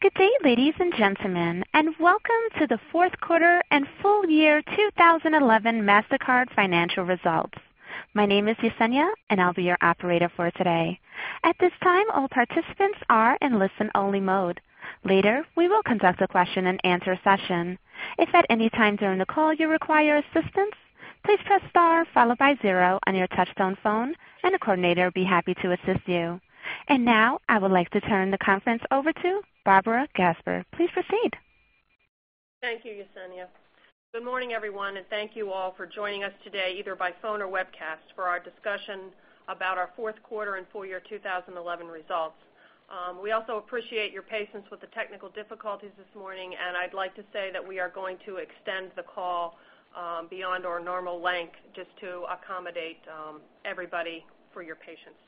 Good day, ladies and gentlemen, and welcome to the fourth quarter and full-year 2011 Mastercard financial results. My name is Yesenia, and I'll be your operator for today. At this time, all participants are in listen-only mode. Later, we will conduct a question and answer session. If at any time during the call you require assistance, please press star followed by zero on your touch-tone phone, and a coordinator will be happy to assist you. I would like to turn the conference over to Barbara Gasper. Please proceed. Thank you, Yesenia. Good morning, everyone, and thank you all for joining us today, either by phone or webcast, for our discussion about our fourth quarter and full-year 2011 results. We also appreciate your patience with the technical difficulties this morning, and I'd like to say that we are going to extend the call beyond our normal length just to accommodate everybody for your patience.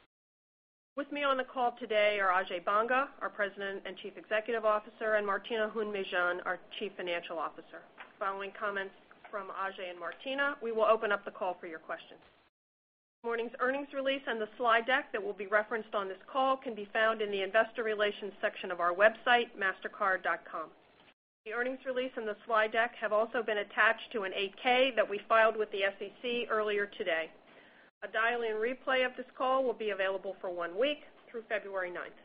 With me on the call today are Ajay Banga, our President and Chief Executive Officer, and Martina Hund-Mejean, our Chief Financial Officer. Following comments from Ajay and Martina, we will open up the call for your questions. Morning's earnings release and the slide deck that will be referenced on this call can be found in the Investor Relations section of our website, mastercard.com. The earnings release and the slide deck have also been attached to an AK that we filed with the SEC earlier today. A dial-in replay of this call will be available for one week through February 9th.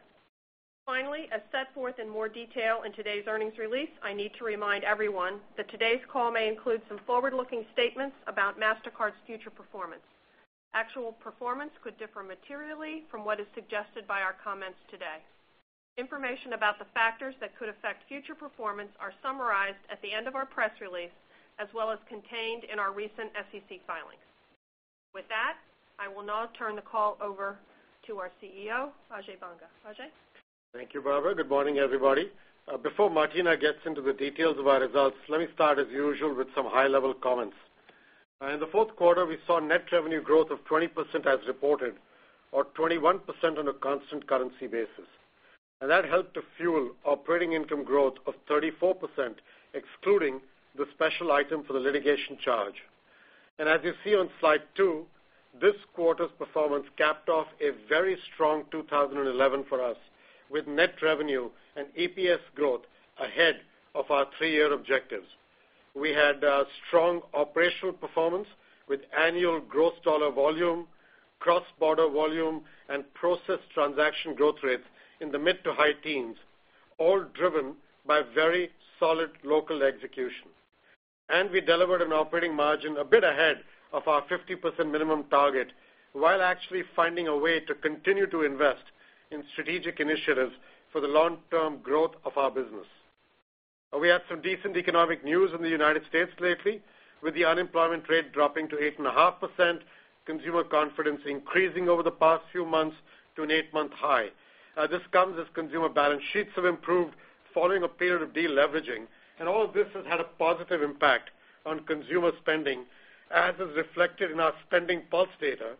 Finally, as set forth in more detail in today's earnings release, I need to remind everyone that today's call may include some forward-looking statements about Mastercard's future performance. Actual performance could differ materially from what is suggested by our comments today. Information about the factors that could affect future performance are summarized at the end of our press release, as well as contained in our recent SEC filings. With that, I will now turn the call over to our CEO, Ajay Banga. Ajay? Thank you, Barbara. Good morning, everybody. Before Martina gets into the details of our results, let me start, as usual, with some high-level comments. In the fourth quarter, we saw net revenue growth of 20% as reported, or 21% on a constant currency basis. That helped to fuel operating income growth of 34%, excluding the special item for the litigation charge. As you see on slide two, this quarter's performance capped off a very strong 2011 for us, with net revenue and EPS growth ahead of our three-year objectives. We had strong operational performance, with annual gross dollar volume, cross-border volume, and processed transaction growth rates in the mid to high teens, all driven by very solid local execution. We delivered an operating margin a bit ahead of our 50% minimum target, while actually finding a way to continue to invest in strategic initiatives for the long-term growth of our business. We had some decent economic news in the United States lately, with the unemployment rate dropping to 8.5%, consumer confidence increasing over the past few months to an eight-month high. This comes as consumer balance sheets have improved following a period of deleveraging, and all of this has had a positive impact on consumer spending, as is reflected in our SpendingPulse data,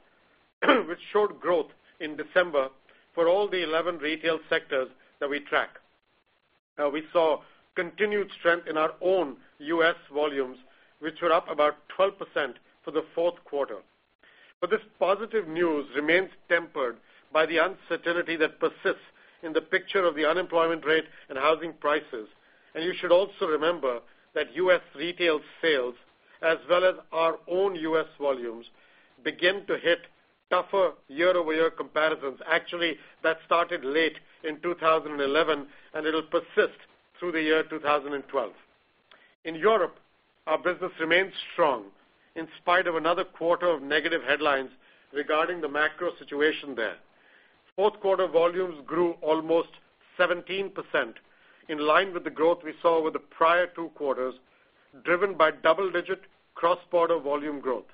which showed growth in December for all the 11 retail sectors that we track. We saw continued strength in our own U.S. volumes, which were up about 12% for the fourth quarter. This positive news remains tempered by the uncertainty that persists in the picture of the unemployment rate and housing prices. You should also remember that U.S. retail sales, as well as our own U.S. volumes, begin to hit tougher year-over-year comparisons. Actually, that started late in 2011, and it will persist through the year 2012. In Europe, our business remains strong, in spite of another quarter of negative headlines regarding the macro situation there. Fourth quarter volumes grew almost 17%, in line with the growth we saw over the prior two quarters, driven by double-digit cross-border volume growth.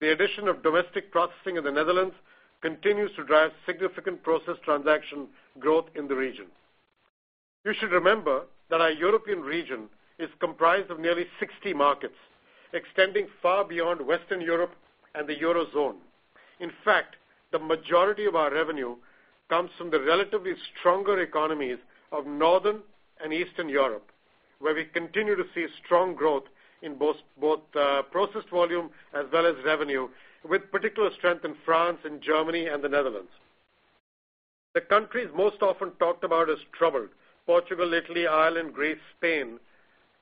The addition of domestic processing in the Netherlands continues to drive significant processed transaction growth in the region. You should remember that our European region is comprised of nearly 60 markets, extending far beyond Western Europe and the eurozone. In fact, the majority of our revenue comes from the relatively stronger economies of Northern and Eastern Europe, where we continue to see strong growth in both processed volume as well as revenue, with particular strength in France, Germany, and the Netherlands. The countries most often talked about as troubled, Portugal, Italy, Ireland, Greece, Spain,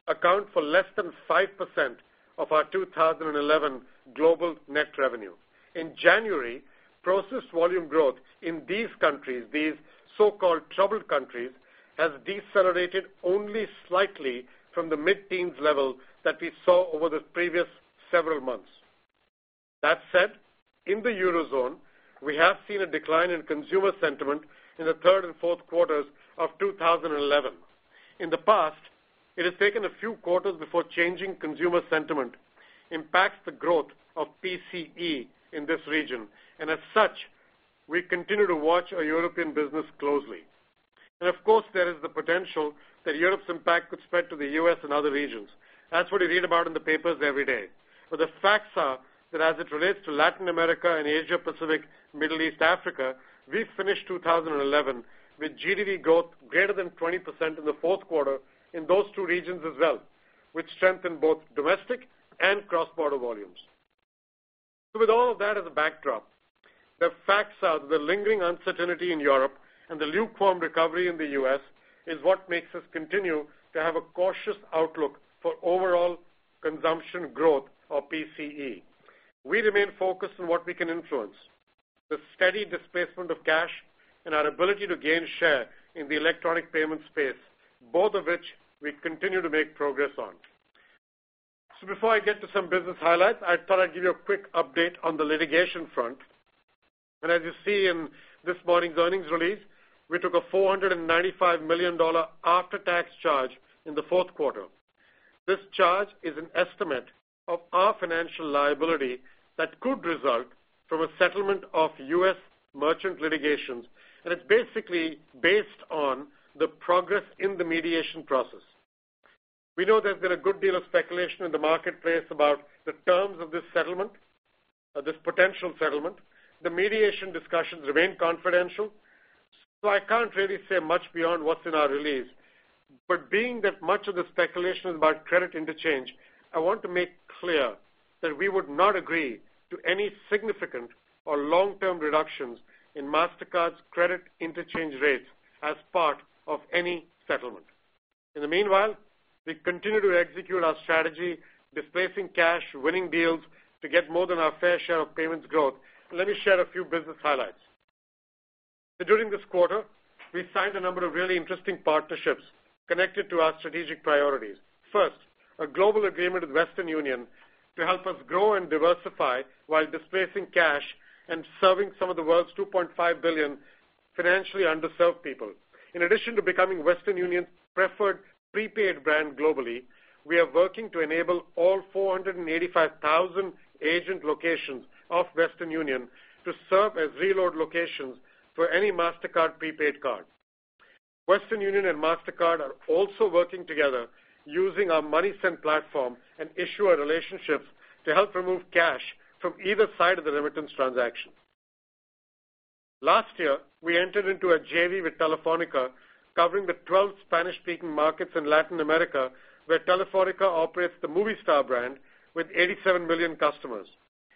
account for less than 5% of our 2011 global net revenue. In January, processed volume growth in these countries, these so-called troubled countries, has decelerated only slightly from the mid-teens level that we saw over the previous several months. That said, in the eurozone, we have seen a decline in consumer sentiment in the third and fourth quarters of 2011. In the past, it has taken a few quarters before changing consumer sentiment impacts the growth of PCE in this region. As such, we continue to watch our European business closely. Of course, there is the potential that Europe's impact could spread to the U.S. and other regions. That's what you read about in the papers every day. The facts are that as it relates to Latin America and Asia-Pacific, Middle East, Africa, we finished 2011 with GDP growth greater than 20% in the fourth quarter in those two regions as well, which strengthened both domestic and cross-border volumes. With all of that as a backdrop, the facts are that the lingering uncertainty in Europe and the lukewarm recovery in the U.S. is what makes us continue to have a cautious outlook for overall consumption growth or PCE. We remain focused on what we can influence, the steady displacement of cash and our ability to gain share in the electronic payments space, both of which we continue to make progress on. Before I get to some business highlights, I thought I'd give you a quick update on the litigation front. As you see in this morning's earnings release, we took a $495 million after-tax charge in the fourth quarter. This charge is an estimate of our financial liability that could result from a settlement of U.S. merchant litigations, and it's basically based on the progress in the mediation process. We know there's been a good deal of speculation in the marketplace about the terms of this settlement, this potential settlement. The mediation discussions remain confidential, so I can't really say much beyond what's in our release. Being that much of the speculation is about credit interchange, I want to make clear that we would not agree to any significant or long-term reductions in Mastercard's credit interchange rates as part of any settlement. In the meanwhile, we continue to execute our strategy, displacing cash, winning deals to get more than our fair share of payments growth. Let me share a few business highlights. During this quarter, we signed a number of really interesting partnerships connected to our strategic priorities. First, a global agreement with Western Union to help us grow and diversify while displacing cash and serving some of the world's 2.5 billion financially underserved people. In addition to becoming Western Union's preferred prepaid brand globally, we are working to enable all 485,000 agent locations of Western Union to serve as reload locations for any Mastercard prepaid cards. Western Union and Mastercard are also working together using our MoneySend platform and issuer relationships to help remove cash from either side of the remittance transaction. Last year, we entered into a JV with Telefónica, covering the 12 Spanish-speaking markets in Latin America, where Telefónica operates the Movistar brand with 87 million customers.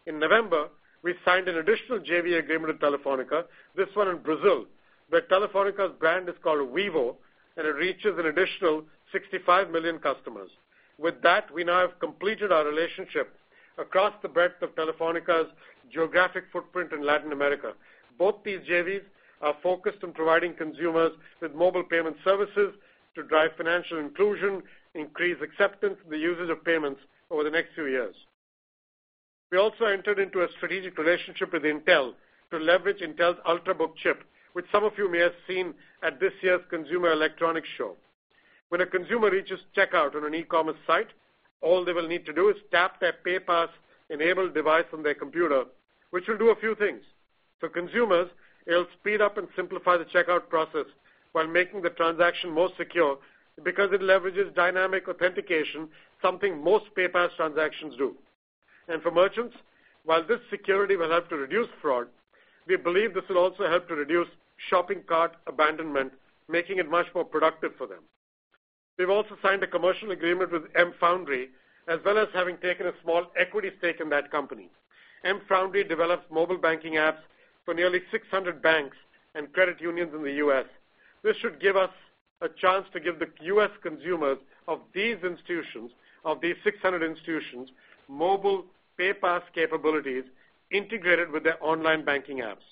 In November, we signed an additional JV agreement with Telefónica, this one in Brazil, where Telefónica's brand is called Vivo, and it reaches an additional 65 million customers. With that, we now have completed our relationship across the breadth of Telefónica's geographic footprint in Latin America. Both these JVs are focused on providing consumers with mobile payment services to drive financial inclusion, increase acceptance, and the usage of payments over the next few years. We also entered into a strategic relationship with Intel to leverage Intel's Ultrabook chip, which some of you may have seen at this year's Consumer Electronics Show. When a consumer reaches checkout on an e-commerce site, all they will need to do is tap their PayPass-enabled device on their computer, which will do a few things. For consumers, it will speed up and simplify the checkout process while making the transaction more secure because it leverages dynamic authentication, something most PayPass transactions do. For merchants, while this security will help to reduce fraud, we believe this will also help to reduce shopping cart abandonment, making it much more productive for them. We've also signed a commercial agreement with mFoundry, as well as having taken a small equity stake in that company. mFoundry develops mobile banking apps for nearly 600 banks and credit unions in the U.S. This should give us a chance to give the U.S. consumers of these institutions, of these 600 institutions, mobile PayPass capabilities integrated with their online banking apps.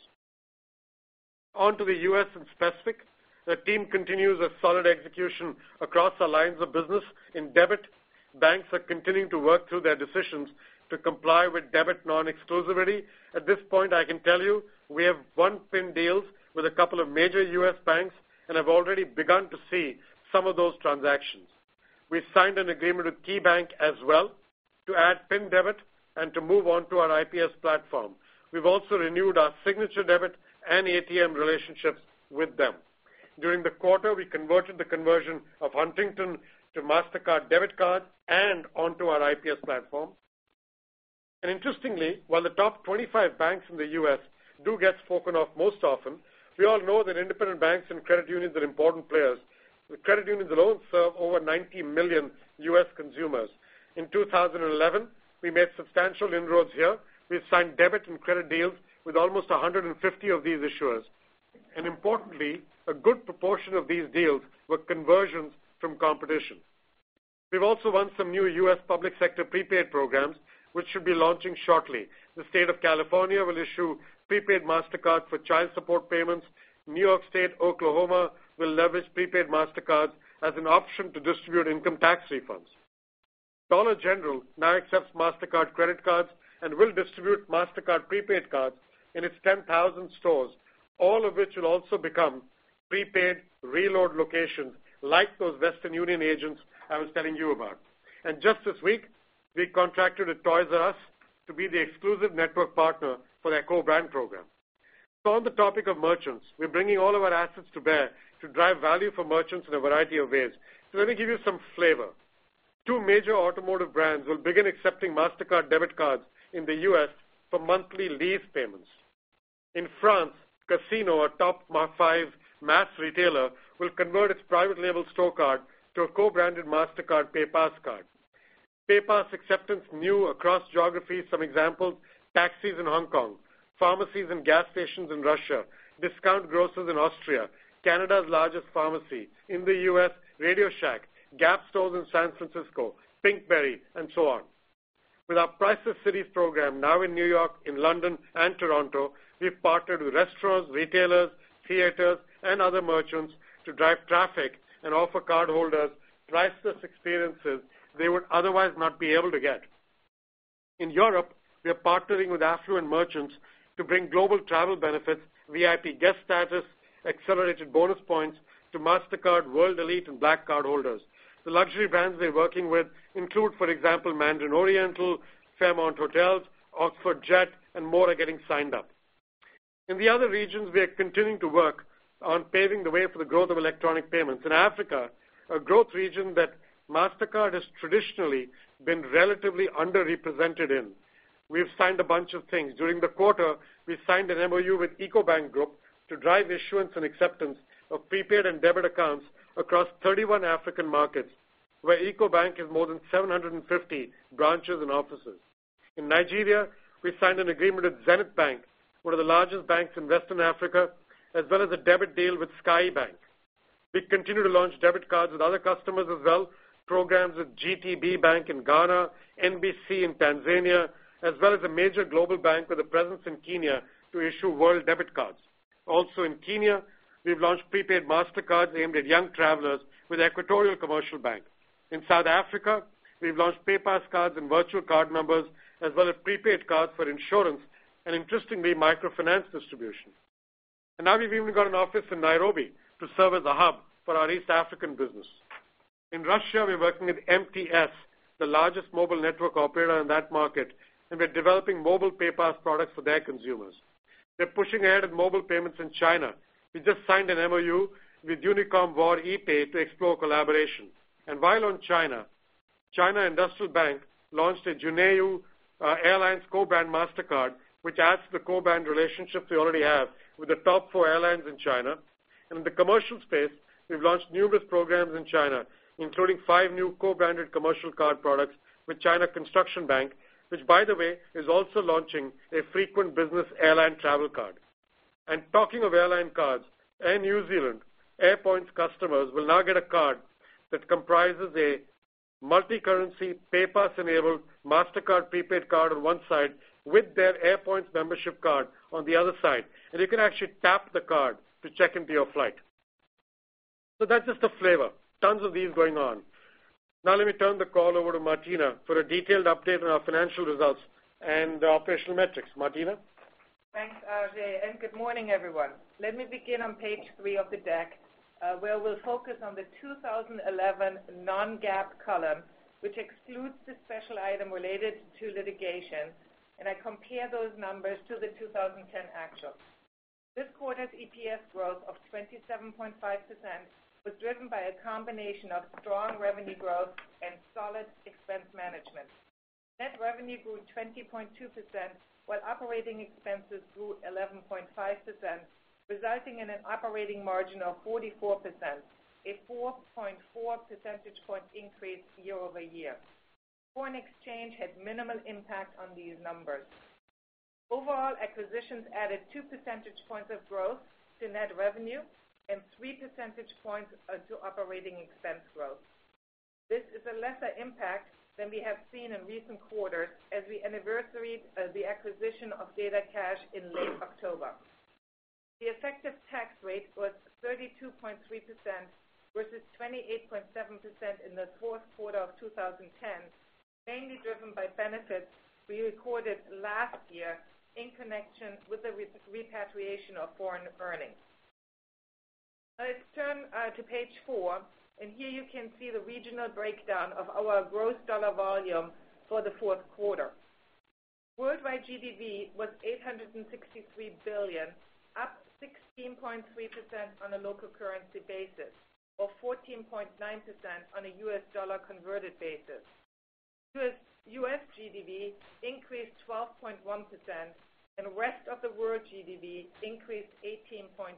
Onto the U.S. and specific, the team continues a solid execution across our lines of business in debit. Banks are continuing to work through their decisions to comply with debit non-exclusivity. At this point, I can tell you we have won PIN deals with a couple of major U.S. banks, and I've already begun to see some of those transactions. We signed an agreement with KeyBank as well to add PIN debit and to move onto our IPS platform. We've also renewed our signature debit and ATM relationships with them. During the quarter, we completed the conversion of Huntington to Mastercard debit card and onto our IPS platform. Interestingly, while the top 25 banks in the U.S. do get spoken of most often, we all know that independent banks and credit unions are important players. The credit unions alone serve over 90 million U.S. consumers. In 2011, we made substantial inroads here. We've signed debit and credit deals with almost 150 of these issuers. Importantly, a good proportion of these deals were conversions from competition. We've also won some new U.S. public sector prepaid programs, which should be launching shortly. The state of California will issue prepaid Mastercard for child support payments. New York State and Oklahoma will leverage prepaid Mastercards as an option to distribute income tax refunds. Dollar General now accepts Mastercard credit cards and will distribute Mastercard prepaid cards in its 10,000 stores, all of which will also become prepaid reload locations, like those Western Union agents I was telling you about. Just this week, we contracted with Toys "R" Us to be the exclusive network partner for their co-brand program. On the topic of merchants, we're bringing all of our assets to bear to drive value for merchants in a variety of ways. Let me give you some flavor. Two major automotive brands will begin accepting Mastercard debit cards in the U.S. for monthly lease payments. In France, Casino, a top five mass retailer, will convert its private label store card to a co-branded Mastercard PayPass card. PayPass acceptance is new across geographies. Some examples, taxis in Hong Kong, pharmacies and gas stations in Russia, discount grocers in Austria, Canada's largest pharmacy. In the U.S., Radio Shack, Gap stores in San Francisco, Pinkberry, and so on. With our Priceless Cities program now in New York, in London, and Toronto, we've partnered with restaurants, retailers, theaters, and other merchants to drive traffic and offer cardholders priceless experiences they would otherwise not be able to get. In Europe, we are partnering with affluent merchants to bring global travel benefits, VIP guest status, and accelerated bonus points to Mastercard World Elite and Black card holders. The luxury brands they're working with include, for example, Mandarin Oriental, Fairmont Hotels, Oxford Jet, and more are getting signed up. In the other regions, we are continuing to work on paving the way for the growth of electronic payments. In Africa, a growth region that Mastercard has traditionally been relatively underrepresented in, we've signed a bunch of things. During the quarter, we signed an MOU with Ecobank Group to drive issuance and acceptance of prepaid and debit accounts across 31 African markets, where Ecobank has more than 750 branches and offices. In Nigeria, we signed an agreement with Zenith Bank, one of the largest banks in Western Africa, as well as a debit deal with Skye Bank. We continue to launch debit cards with other customers as well, programs with GTB Bank in Ghana, NBC in Tanzania, as well as a major global bank with a presence in Kenya to issue World Debit cards. Also in Kenya, we've launched prepaid Mastercards aimed at young travelers with Equatorial Commercial Bank. In South Africa, we've launched PayPass cards and virtual card numbers, as well as prepaid cards for insurance and, interestingly, microfinance distribution. Now we've even got an office in Nairobi to serve as a hub for our East African business. In Russia, we're working with MTS, the largest mobile network operator in that market, and we're developing mobile PayPass products for their consumers. We're pushing ahead in mobile payments in China. We just signed an MoU with Unicom War ePay to explore collaboration. While in China, China Industrial Bank launched a Juneyao Airlines co-brand Mastercard, which adds to the co-brand relationships we already have with the top four airlines in China. In the commercial space, we've launched numerous programs in China, including five new co-branded commercial card products with China Construction Bank, which, by the way, is also launching a frequent business airline travel card. Talking of airline cards, in New Zealand, Airpoints customers will now get a card that comprises a multi-currency PayPass-enabled Mastercard prepaid card on one side with their Airpoints membership card on the other side. You can actually tap the card to check into your flight. That's just a flavor. Tons of these going on. Now let me turn the call over to Martina for a detailed update on our financial results and the operational metrics. Martina? Thanks, Ajay, and good morning, everyone. Let me begin on page three of the deck, where we'll focus on the 2011 non-GAAP column, which excludes the special item related to litigation. I compare those numbers to the 2010 actuals. This quarter's EPS growth of 27.5% was driven by a combination of strong revenue growth and solid expense management. Net revenue grew 20.2% while operating expenses grew 11.5%, resulting in an operating margin of 44%, a 4.4 percentage point increase year-over-year. Foreign exchange had minimal impact on these numbers. Overall, acquisitions added two percentage points of growth to net revenue and three percentage points to operating expense growth. This is a lesser impact than we have seen in recent quarters as we anniversary the acquisition of dataCash in late October. The effective tax rate was 32.3% versus 28.7% in the fourth quarter of 2010, mainly driven by benefits we recorded last year in connection with the repatriation of foreign earnings. Let's turn to page four, and here you can see the regional breakdown of our gross dollar volume for the fourth quarter. Worldwide GDP was $863 billion, up 16.3% on a local currency basis or 14.9% on a U.S. dollar converted basis. U.S. GDP increased 12.1%, and the rest of the world GDP increased 18.4%.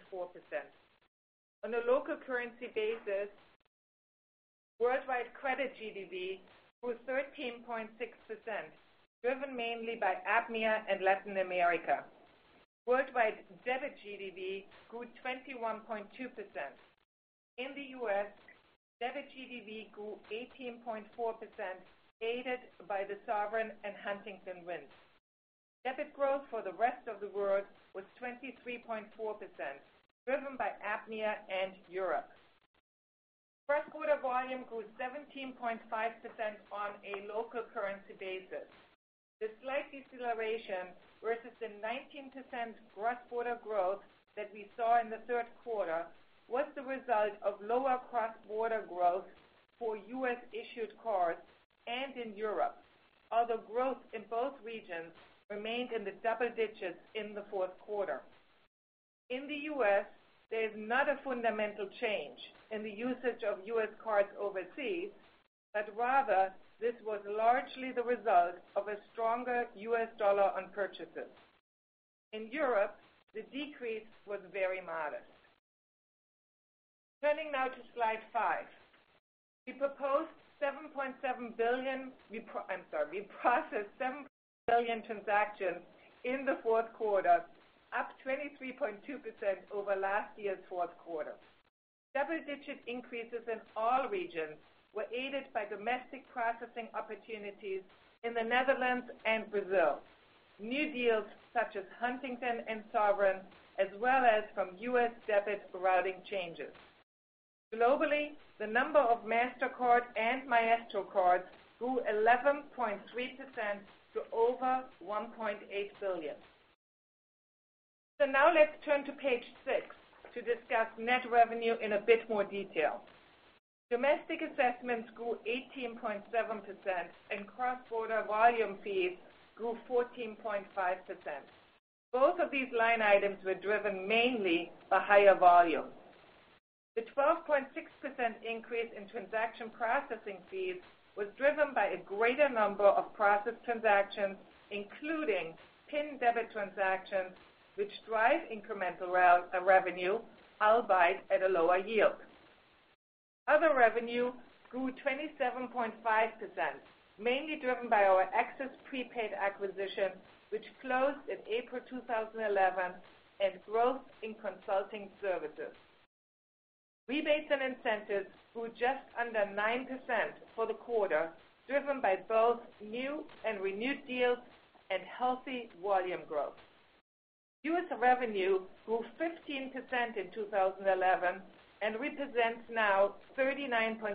On a local currency basis, worldwide credit GDP grew 13.6%, driven mainly by APMEA and Latin America. Worldwide debit GDP grew 21.2%. In the U.S., debit GDP grew 18.4%, aided by the Sovereign and Huntington wins. Debit growth for the rest of the world was 23.4%, driven by APMEA and Europe. Cross-border volume grew 17.5% on a local currency basis. The slight deceleration versus the 19% cross-border growth that we saw in the third quarter was the result of lower cross-border growth for U.S.-issued cards and in Europe, although growth in both regions remained in the double digits in the fourth quarter. In the U.S., there's not a fundamental change in the usage of U.S. cards overseas, but rather, this was largely the result of a stronger U.S. dollar on purchases. In Europe, the decrease was very modest. Turning now to slide five, we processed 7 billion transactions in the fourth quarter, up 23.2% over last year's fourth quarter. Double-digit increases in all regions were aided by domestic processing opportunities in the Netherlands and Brazil, new deals such as Huntington and Sovereign, as well as from U.S. debit routing changes. Globally, the number of Mastercard and Maestro cards grew 11.3% to over 1.8 billion. Now let's turn to page six to discuss net revenue in a bit more detail. Domestic assessments grew 18.7%, and cross-border volume fees grew 14.5%. Both of these line items were driven mainly by higher volume. The 12.6% increase in transaction processing fees was driven by a greater number of processed transactions, including PIN debit transactions, which drive incremental revenue, albeit at a lower yield. Other revenue grew 27.5%, mainly driven by our Access Prepaid acquisition, which closed in April 2011, and growth in consulting services. Rebates and incentives grew just under 9% for the quarter, driven by both new and renewed deals and healthy volume growth. U.S. revenue grew 15% in 2011 and now represents 39.6%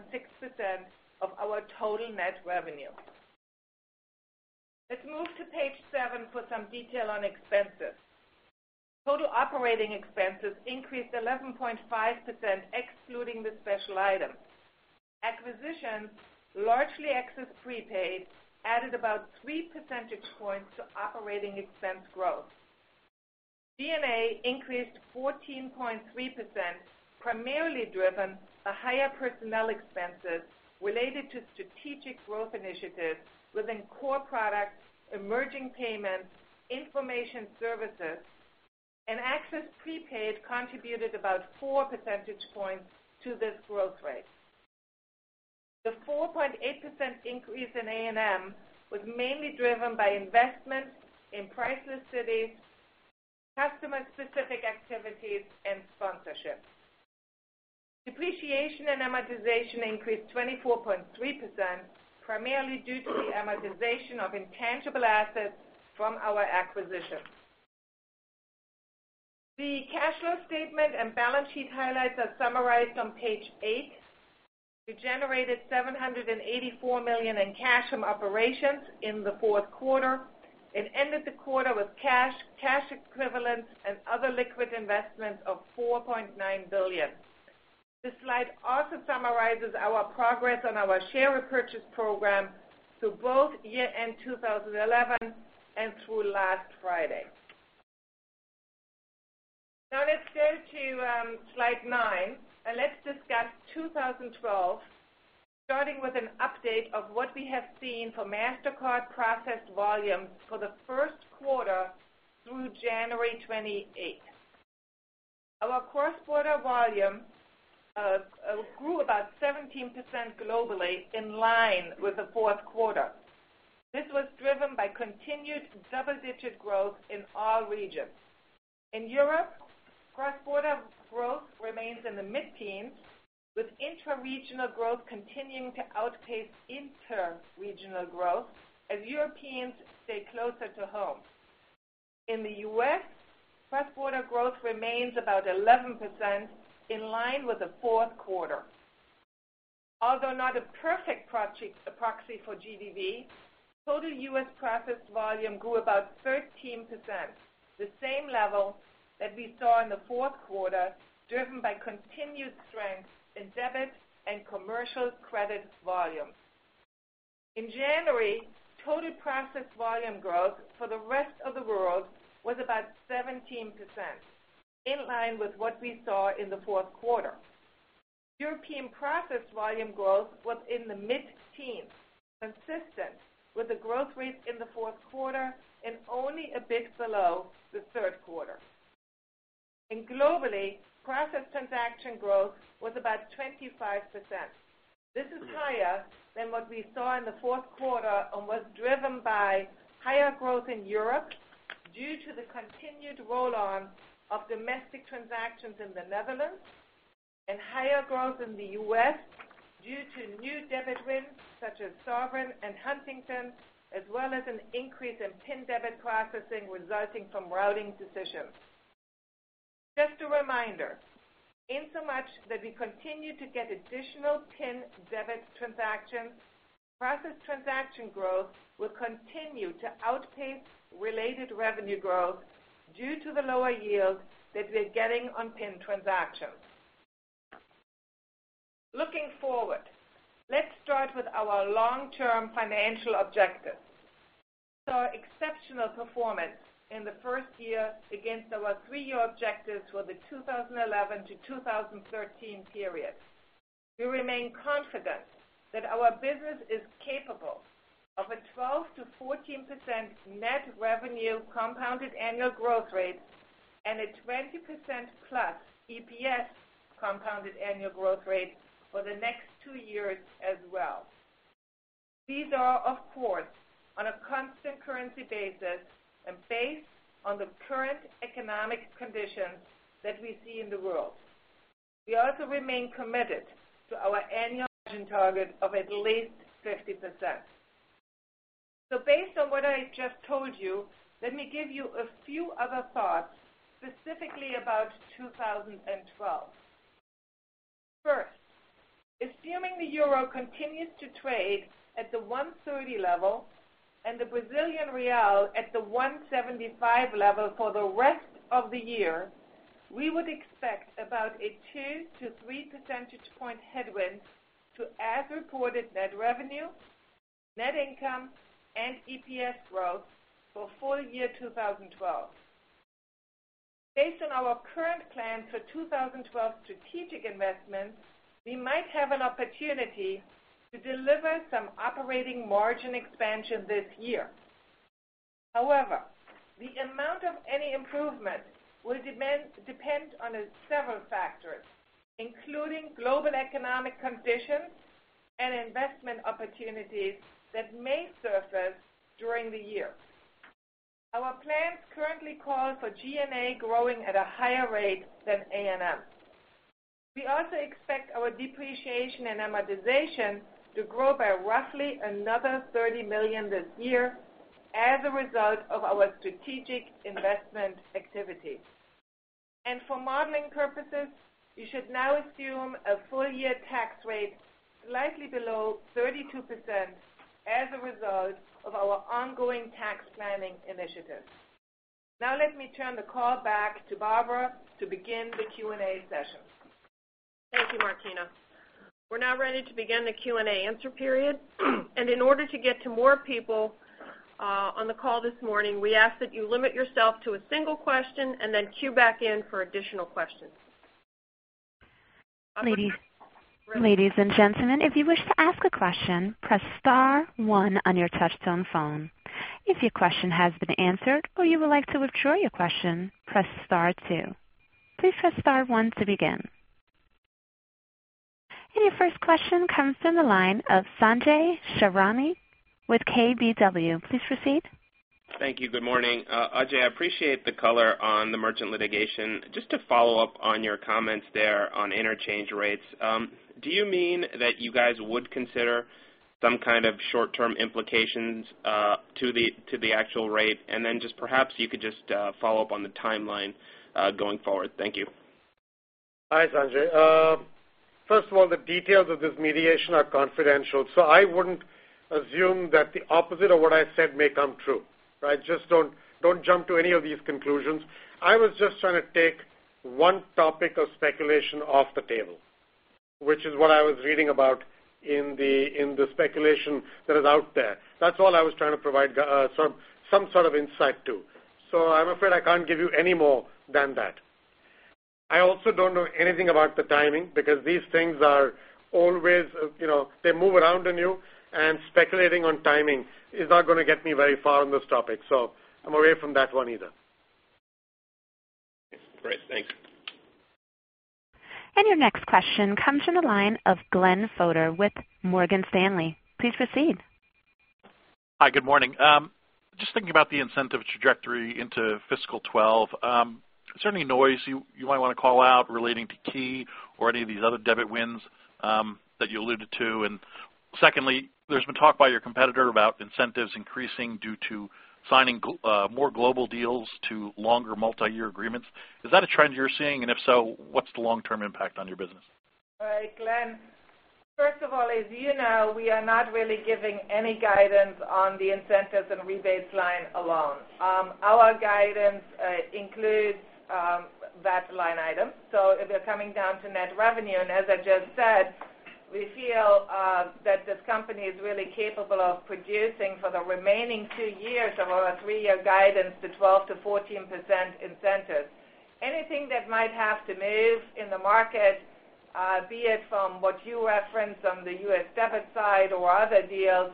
of our total net revenue. Let's move to page seven for some detail on expenses. Total operating expenses increased 11.5%, excluding the special item. Acquisitions, largely Access Prepaid, added about three percentage points to operating expense growth. B&A increased 14.3%, primarily driven by higher personnel expenses related to strategic growth initiatives within core products, emerging payments, and information services. Access Prepaid contributed about four percentage points to this growth rate. The 4.8% increase in A&M was mainly driven by investments in Priceless Cities, customer-specific activities, and sponsorships. Depreciation and amortization increased 24.3%, primarily due to the amortization of intangible assets from our acquisitions. The cash flow statement and balance sheet highlights are summarized on page eight. We generated $784 million in cash from operations in the fourth quarter and ended the quarter with cash, cash equivalents, and other liquid investments of $4.9 billion. This slide also summarizes our progress on our share repurchase program through both year-end 2011 and through last Friday. Now let's go to slide nine, and discuss 2012, starting with an update of what we have seen for Mastercard processed volume for the first quarter through January 28. Our cross-border volume grew about 17% globally, in line with the fourth quarter. This was driven by continued double-digit growth in all regions. In Europe, cross-border growth remains in the mid-teens, with interregional growth continuing to outpace intraregional growth as Europeans stay closer to home. In the U.S., cross-border growth remains about 11%, in line with the fourth quarter. Although not a perfect proxy for GDP, total U.S. processed volume grew about 13%, the same level that we saw in the fourth quarter, driven by continued strength in debit and commercial credit volumes. In January, total processed volume growth for the rest of the world was about 17%, in line with what we saw in the fourth quarter. European processed volume growth was in the mid-teens, consistent with the growth rate in the fourth quarter and only a bit below the third quarter. Globally, processed transaction growth was about 25%. This is higher than what we saw in the fourth quarter and was driven by higher growth in Europe due to the continued roll-on of domestic transactions in the Netherlands and higher growth in the U.S. due to new debit wins such as Sovereign and Huntington, as well as an increase in PIN debit processing resulting from routing decisions. Just a reminder, in so much that we continue to get additional PIN debit transactions, processed transaction growth will continue to outpace related revenue growth due to the lower yield that we're getting on PIN transactions. Looking forward, let's start with our long-term financial objectives. Exceptional performance in the first year against our three-year objectives for the 2011 to 2013 period. We remain confident that our business is capable of a 12%-14% net revenue compound annual growth rate and a 20%+ EPS compound annual growth rate for the next two years as well. These are, of course, on a constant currency basis and based on the current economic conditions that we see in the world. We also remain committed to our annual margin target of at least 50%. Based on what I just told you, let me give you a few other thoughts specifically about 2012. First, assuming the euro continues to trade at the $1.30 level and the Brazilian real at the $1.75 level for the rest of the year, we would expect about a 2%-3% point headwind to as-reported net revenue, net income, and EPS growth for full year 2012. Based on our current plans for 2012 strategic investments, we might have an opportunity to deliver some operating margin expansion this year. However, the amount of any improvement will depend on several factors, including global economic conditions and investment opportunities that may surface during the year. Our plans currently call for G&A growing at a higher rate than A&M. We also expect our depreciation and amortization to grow by roughly another $30 million this year as a result of our strategic investment activities. For modeling purposes, we should now assume a full-year tax rate slightly below 32% as a result of our ongoing tax planning initiatives. Now let me turn the call back to Barbara to begin the Q&A sessions. Thank you, Martina. We're now ready to begin the Q&A answer period. In order to get to more people on the call this morning, we ask that you limit yourself to a single question and then queue back in for additional questions. Ladies and gentlemen, if you wish to ask a question, press star one on your touch-tone phone. If your question has been answered or you would like to withdraw your question, press star two. Please press star one to begin. Your first question comes from the line of Sanjay Sakhrani with KBW. Please proceed. Thank you. Good morning. Ajay, I appreciate the color on the U.S. merchant litigation. Just to follow up on your comments there on interchange rates, do you mean that you guys would consider some kind of short-term implications to the actual rate? Perhaps you could just follow up on the timeline going forward. Thank you. Hi, Sanjay. First of all, the details of this mediation are confidential, so I wouldn't assume that the opposite of what I said may come true. Don't jump to any of these conclusions. I was just trying to take one topic of speculation off the table, which is what I was reading about in the speculation that is out there. That's all I was trying to provide some sort of insight to. I'm afraid I can't give you any more than that. I also don't know anything about the timing because these things are always, you know, they move around on you, and speculating on timing is not going to get me very far on this topic. I'm away from that one either. Great. Thanks. Your next question comes from the line of Glenn Fodor with Morgan Stanley. Please proceed. Hi, good morning. Just thinking about the incentive trajectory into fiscal 2012. Is there any noise you might want to call out relating to Key or any of these other debit wins that you alluded to? There's been talk by your competitor about incentives increasing due to signing more global deals to longer multi-year agreements. Is that a trend you're seeing? If so, what's the long-term impact on your business? All right, Glenn. First of all, as you know, we are not really giving any guidance on the incentives and rebates line alone. Our guidance includes that line item, so we're coming down to net revenue. As I just said, we feel that this company is really capable of producing for the remaining two years of our three-year guidance the 12%-14% incentive. Anything that might have to move in the market, be it from what you referenced on the U.S. debit side or other deals,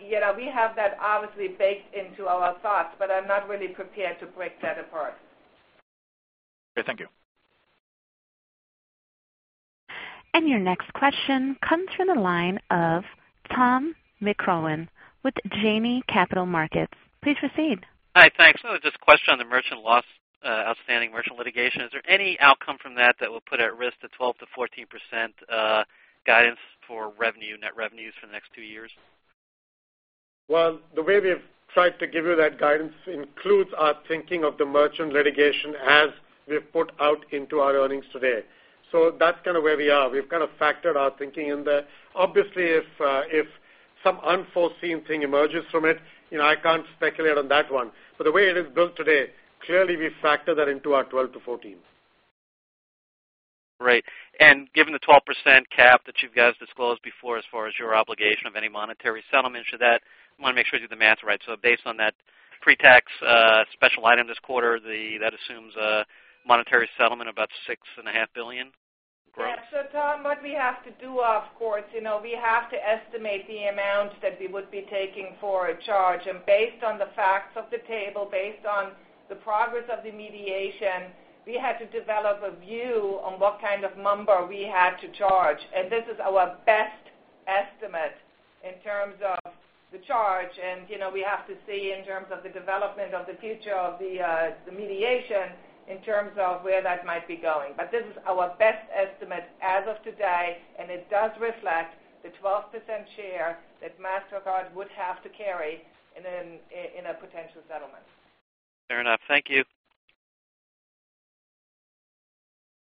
we have that obviously baked into our thoughts, but I'm not really prepared to break that apart. Great. Thank you. Your next question comes from the line of Tom McCrohan with Janney Capital Markets. Please proceed. Hi, thanks. I have just a question on the outstanding U.S. merchant litigation. Is there any outcome from that that will put at risk the 12%-14% guidance for net revenues for the next two years? The way we've tried to give you that guidance includes our thinking of the US merchant litigation as we've put out into our earnings today. That's kind of where we are. We've factored our thinking in there. Obviously, if some unforeseen thing emerges from it, you know, I can't speculate on that one. The way it is built today, clearly we factor that into our 12%-14%. Right. Given the 12% cap that you guys disclosed before as far as your obligation of any monetary settlements to that, I want to make sure I do the math right. Based on that pre-tax special item this quarter, that assumes a monetary settlement of about $6.5 billion? Yeah. Tom, what we have to do, of course, you know, we have to estimate the amount that we would be taking for a charge. Based on the facts of the table, based on the progress of the mediation, we had to develop a view on what kind of number we had to charge. This is our best estimate in terms of the charge. You know, we have to see in terms of the development of the future of the mediation in terms of where that might be going. This is our best estimate as of today, and it does reflect the 12% share that Mastercard would have to carry in a potential settlement. Fair enough. Thank you.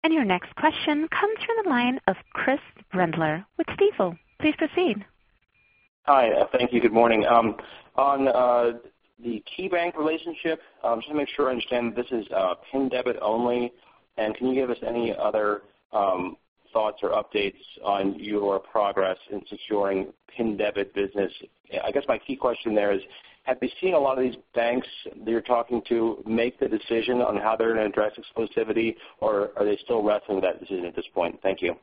Your next question comes from the line of Chris Brendler with Stifel. Please proceed. Hi. Thank you. Good morning. On the KeyBank relationship, just to make sure I understand, this is a PIN debit only. Can you give us any other thoughts or updates on your progress in securing PIN debit business? I guess my key question there is, have you seen a lot of these banks that you're talking to make the decision on how they're going to address exclusivity, or are they still wrestling with that decision at this point? Thank you.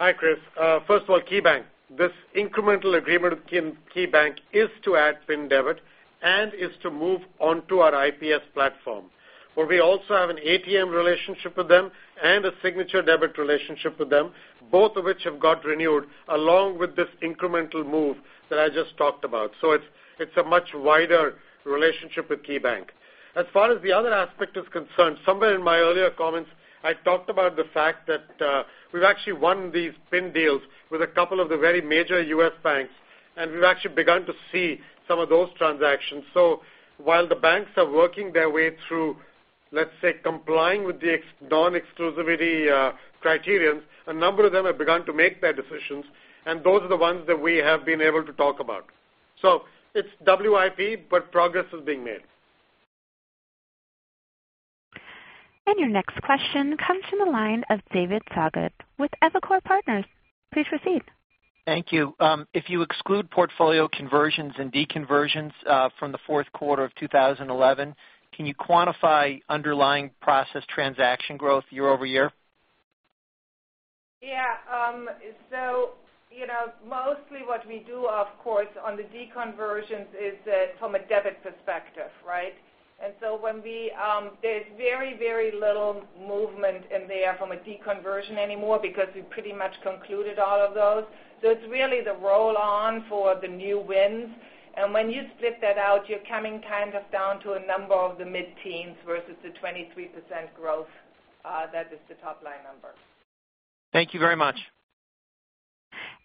Hi, Chris. First of all, KeyBank, this incremental agreement with KeyBank is to add PIN debit and is to move onto our IPS platform, where we also have an ATM relationship with them and a signature debit relationship with them, both of which have got renewed along with this incremental move that I just talked about. It is a much wider relationship with KeyBank. As far as the other aspect is concerned, somewhere in my earlier comments, I talked about the fact that we've actually won these PIN deals with a couple of the very major U.S. banks, and we've actually begun to see some of those transactions. While the banks are working their way through, let's say, complying with the non-exclusivity criterions, a number of them have begun to make their decisions, and those are the ones that we have been able to talk about. It is WIP, but progress is being made. Your next question comes from the line of David Togut with Evercore Partners. Please proceed. Thank you. If you exclude portfolio conversions and deconversions from the fourth quarter of 2011, can you quantify underlying processed transaction growth year-over-year? Yeah. Mostly what we do, of course, on the deconversions is from a debit perspective, right? When there's very, very little movement in there from a deconversion anymore because we pretty much concluded all of those, it's really the roll-on for the new wins. When you split that out, you're coming kind of down to a number of the mid-teens versus the 23% growth that is the top line number. Thank you very much.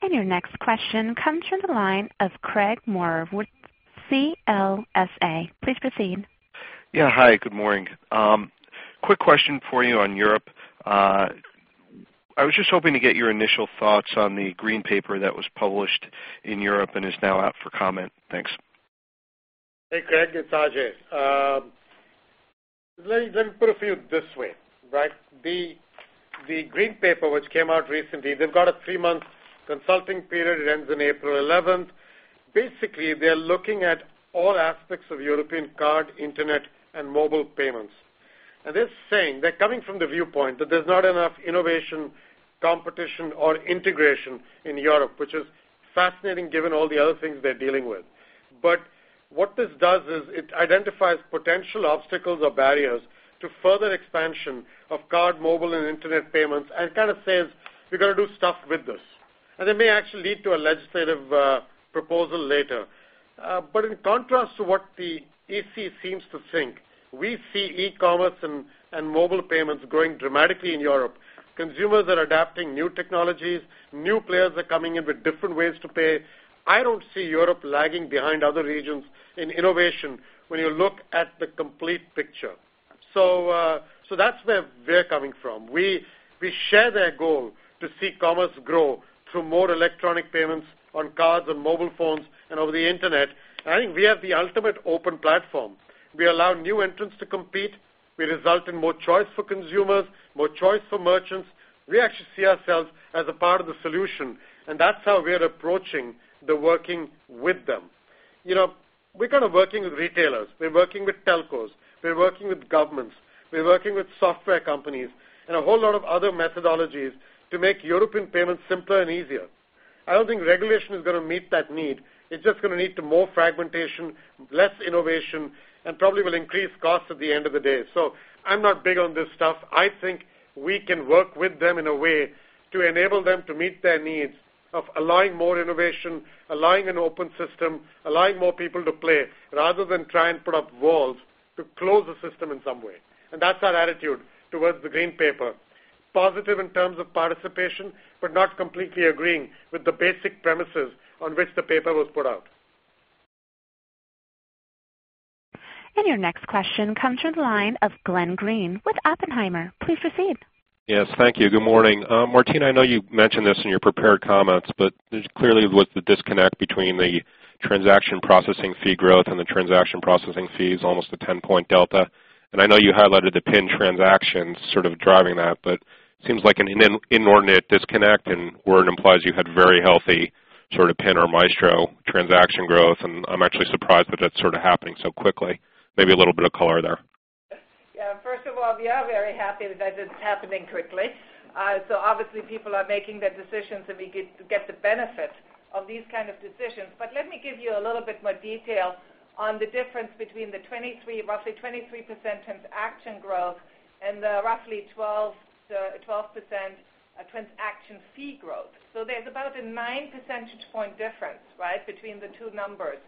Your next question comes from the line of Craig Maurer with CLSA. Please proceed. Hi. Good morning. Quick question for you on Europe. I was just hoping to get your initial thoughts on the green paper that was published in Europe and is now out for comment. Thanks. Hey, Craig. It's Ajay. Let me put it this way, right? The green paper, which came out recently, has a three-month consulting period. It ends on April 11th. Basically, they're looking at all aspects of European card, internet, and mobile payments. They're saying they're coming from the viewpoint that there's not enough innovation, competition, or integration in Europe, which is fascinating given all the other things they're dealing with. What this does is it identifies potential obstacles or barriers to further expansion of card, mobile, and internet payments and kind of says, "We've got to do stuff with this." It may actually lead to a legislative proposal later. In contrast to what the EC seems to think, we see e-commerce and mobile payments growing dramatically in Europe. Consumers are adapting new technologies. New players are coming in with different ways to pay. I don't see Europe lagging behind other regions in innovation when you look at the complete picture. That's where we're coming from. We share their goal to see commerce grow through more electronic payments on cards and mobile phones and over the internet. I think we have the ultimate open platform. We allow new entrants to compete. We result in more choice for consumers, more choice for merchants. We actually see ourselves as a part of the solution. That's how we're approaching working with them. We're working with retailers, telcos, governments, software companies, and a whole lot of other methodologies to make European payments simpler and easier. I don't think regulation is going to meet that need. It's just going to lead to more fragmentation, less innovation, and probably will increase costs at the end of the day. I'm not big on this stuff. I think we can work with them in a way to enable them to meet their needs of allowing more innovation, allowing an open system, allowing more people to play rather than try and put up walls to close the system in some way. That's our attitude towards the green paper. Positive in terms of participation, but not completely agreeing with the basic premises on which the paper was put out. Your next question comes from the line of Glenn Greene with Oppenheimer. Please proceed. Yes. Thank you. Good morning. Martina, I know you mentioned this in your prepared comments, but clearly with the disconnect between the transaction processing fee growth and the transaction processing fees, almost a 10% delta. I know you highlighted the PIN debit transactions sort of driving that, but it seems like an inordinate disconnect and it implies you had very healthy sort of PIN or Maestro transaction growth. I'm actually surprised that that's sort of happening so quickly. Maybe a little bit of color there. Yeah. First of all, we are very happy that it's happening quickly. Obviously, people are making their decisions, and we get to get the benefits of these kinds of decisions. Let me give you a little bit more detail on the difference between the roughly 23% transaction growth and the roughly 12% transaction fee growth. There's about a 9 percentage point difference, right, between the two numbers.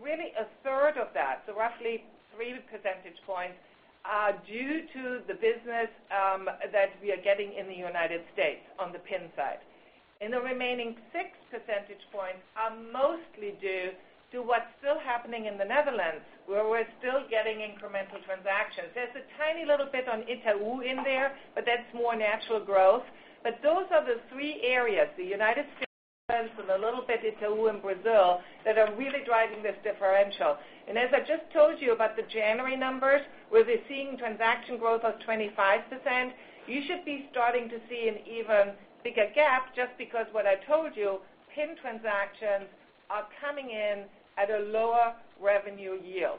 Really, a third of that, so roughly 3 percentage points, are due to the business that we are getting in the United States on the PIN side. The remaining 6 percentage points are mostly due to what's still happening in the Netherlands, where we're still getting incremental transactions. There's a tiny little bit on Itaú in there, but that's more natural growth. Those are the three areas, the United States and a little bit Itaú and Brazil, that are really driving this differential. As I just told you about the January numbers, where we're seeing transaction growth of 25%, you should be starting to see an even bigger gap just because what I told you, PIN transactions are coming in at a lower revenue yield.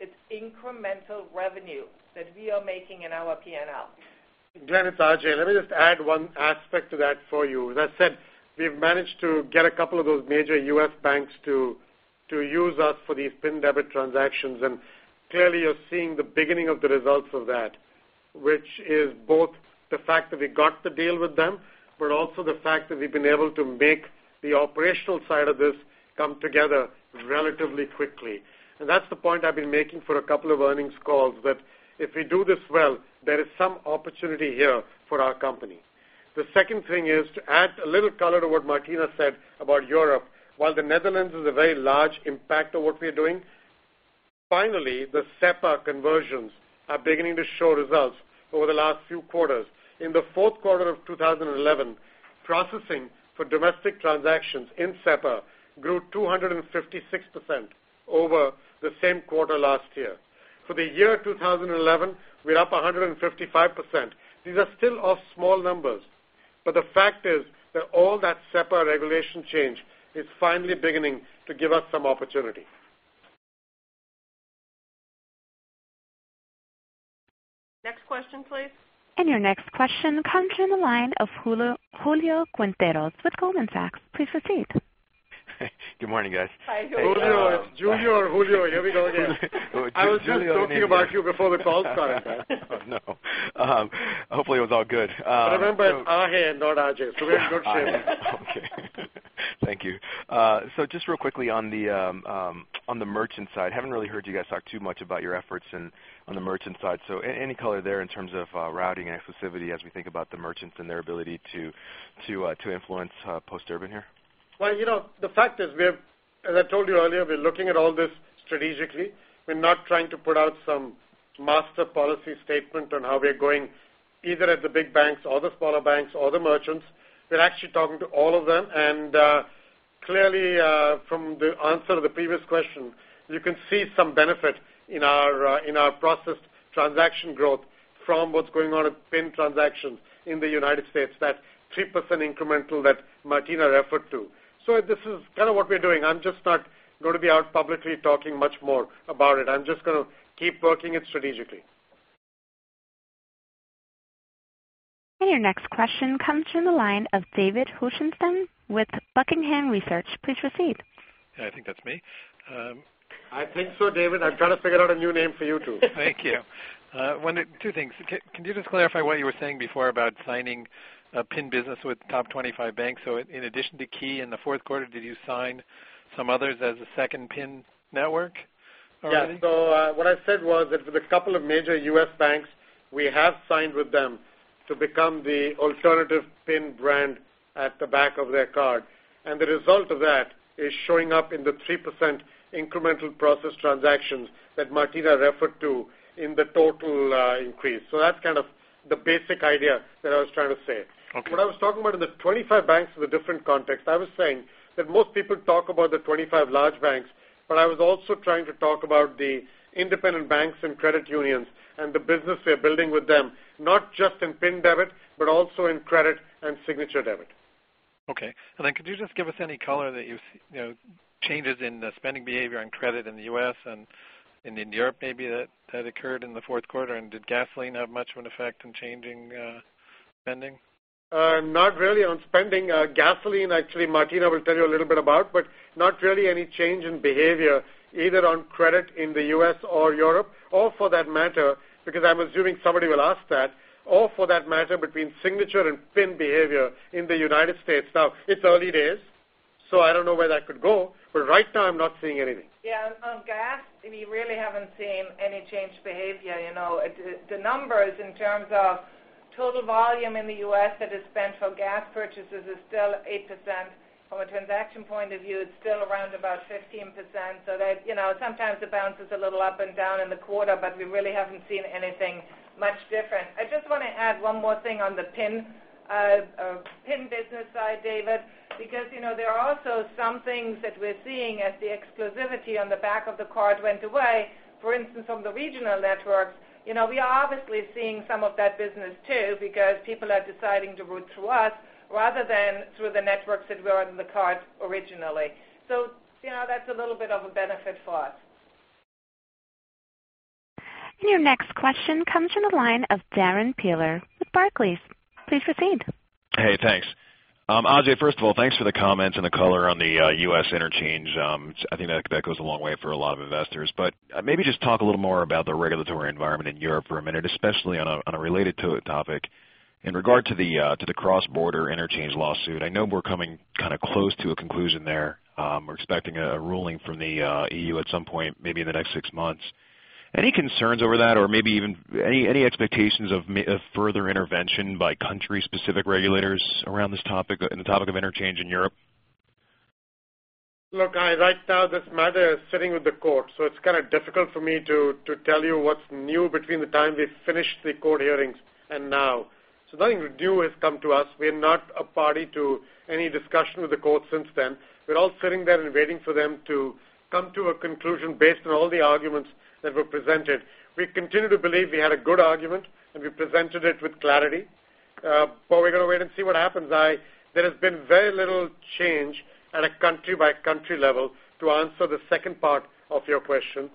It's incremental revenue that we are making in our P&L. Glenn, it's Ajay. Let me just add one aspect to that for you. As I said, we've managed to get a couple of those major U.S. banks to use us for these PIN debit transactions. Clearly, you're seeing the beginning of the results of that, which is both the fact that we got the deal with them, but also the fact that we've been able to make the operational side of this come together relatively quickly. That's the point I've been making for a couple of earnings calls, that if we do this well, there is some opportunity here for our company. The second thing is to add a little color to what Martina said about Europe. While the Netherlands has a very large impact on what we're doing, finally, the SEPA conversions are beginning to show results over the last few quarters. In the fourth quarter of 2011, processing for domestic transactions in SEPA grew 256% over the same quarter last year. For the year 2011, we're up 155%. These are still off small numbers, but the fact is that all that SEPA regulation change is finally beginning to give us some opportunity. Next question, please. Your next question comes from the line of Julio Quinteros with Goldman Sachs. Please proceed. Good morning, guys. Julio, here we go again. I was just talking about you before the call started. Hopefully, it was all good. Remember, it's Ajay and not Ajay. We're in good shape. Thank you. Just real quickly on the merchant side, I haven't really heard you guys talk too much about your efforts on the merchant side. Any color there in terms of routing and exclusivity as we think about the merchants and their ability to influence post Durban here? The fact is, as I told you earlier, we're looking at all this strategically. We're not trying to put out some master policy statement on how we're going either at the big banks or the smaller banks or the merchants. We're actually talking to all of them. Clearly, from the answer to the previous question, you can see some benefit in our processed transaction growth from what's going on in PIN transactions in the U.S., that 3% incremental that Martina referred to. This is kind of what we're doing. I'm just not going to be out publicly talking much more about it. I'm just going to keep working it strategically. Your next question comes from the line of David Hochstim with Buckingham Research. Please proceed. Yeah, I think that's me. I think so, David. I'm trying to figure out a new name for you two. Thank you. One of two things. Can you just clarify what you were saying before about signing a PIN business with top 25 banks? In addition to Key in the fourth quarter, did you sign some others as a second PIN network already? What I said was that with a couple of major U.S. banks, we have signed with them to become the alternative PIN brand at the back of their card. The result of that is showing up in the 3% incremental processed transactions that Martina referred to in the total increase. That's kind of the basic idea that I was trying to say. Okay. What I was talking about in the 25 banks in a different context, I was saying that most people talk about the 25 large banks, but I was also trying to talk about the independent banks and credit unions and the business they're building with them, not just in PIN debit, but also in credit and signature debit. Okay. Could you just give us any color that you've seen, you know, changes in spending behavior on credit in the U.S. and in Europe maybe that occurred in the fourth quarter? Did gasoline have much of an effect in changing spending? Not really on spending. Gasoline, actually, Martina will tell you a little bit about, but not really any change in behavior either on credit in the U.S. or Europe, or for that matter, because I'm assuming somebody will ask that, or for that matter between signature and PIN behavior in the United States. Now, it's early days, so I don't know where that could go, but right now, I'm not seeing anything. Yeah. On gas, we really haven't seen any change in behavior. The numbers in terms of total volume in the U.S. that is spent for gas purchases is still 8%. From a transaction point of view, it's still around 15%. Sometimes it bounces a little up and down in the quarter, but we really haven't seen anything much different. I just want to add one more thing on the PIN debit side, David, because there are also some things that we're seeing as the exclusivity on the back of the card went away. For instance, from the regional networks, we are obviously seeing some of that business too because people are deciding to route through us rather than through the networks that were in the card originally. That's a little bit of a benefit for us. Your next question comes from the line of Darrin Peller with Barclays. Please proceed. Hey, thanks. Ajay, first of all, thanks for the comments and the color on the U.S. interchange. I think that goes a long way for a lot of investors. Maybe just talk a little more about the regulatory environment in Europe for a minute, especially on a related topic in regard to the cross-border interchange lawsuit. I know we're coming kind of close to a conclusion there. We're expecting a ruling from the EU at some point, maybe in the next six months. Any concerns over that or maybe even any expectations of further intervention by country-specific regulators around this topic and the topic of interchange in Europe? Look, right now, this matter is sitting with the court. It's kind of difficult for me to tell you what's new between the time we finished the court hearings and now. Nothing new has come to us. We're not a party to any discussion with the court since then. We're all sitting there and waiting for them to come to a conclusion based on all the arguments that were presented. We continue to believe we had a good argument, and we presented it with clarity. We're going to wait and see what happens. There has been very little change at a country-by-country level to answer the second part of your question.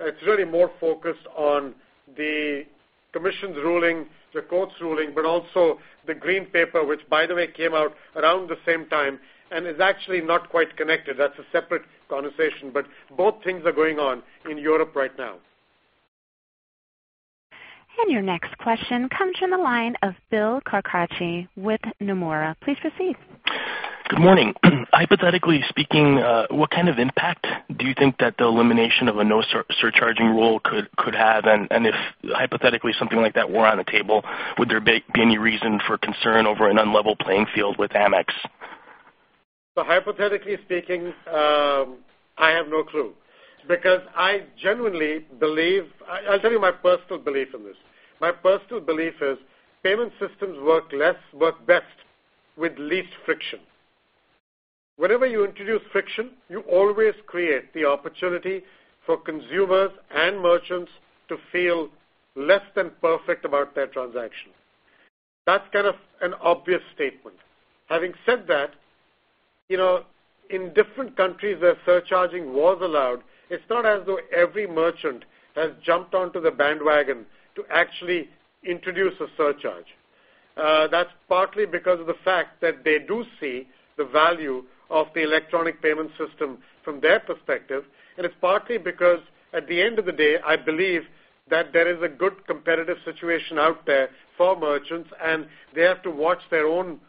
It's really more focused on the commission's ruling, the court's ruling, but also the green paper, which, by the way, came out around the same time and is actually not quite connected. That's a separate conversation. Both things are going on in Europe right now. Your next question comes from the line of Bill Carcache with Nomura. Please proceed. Good morning. Hypothetically speaking, what kind of impact do you think that the elimination of a no surcharging rule could have? If hypothetically something like that were on the table, would there be any reason for concern over an unlevel playing field with Amex? Hypothetically speaking, I have no clue because I genuinely believe I'll tell you my personal belief in this. My personal belief is payment systems work best with least friction. Whenever you introduce friction, you always create the opportunity for consumers and merchants to feel less than perfect about their transaction. That's kind of an obvious statement. Having said that, in different countries where surcharging was allowed, it's not as though every merchant has jumped onto the bandwagon to actually introduce a surcharge. That's partly because of the fact that they do see the value of the electronic payment system from their perspective. It's partly because, at the end of the day, I believe that there is a good competitive situation out there for merchants, and they have to watch their own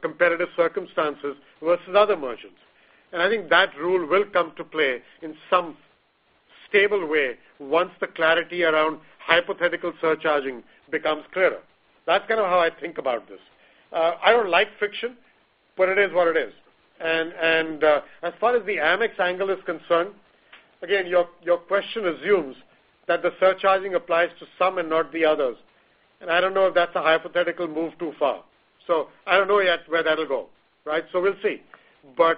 competitive circumstances versus other merchants. I think that rule will come to play in some stable way once the clarity around hypothetical surcharging becomes clearer. That's kind of how I think about this. I don't like friction, but it is what it is. As far as the Amex angle is concerned, again, your question assumes that the surcharging applies to some and not the others. I don't know if that's a hypothetical move too far. I don't know yet where that'll go, right? We'll see. That's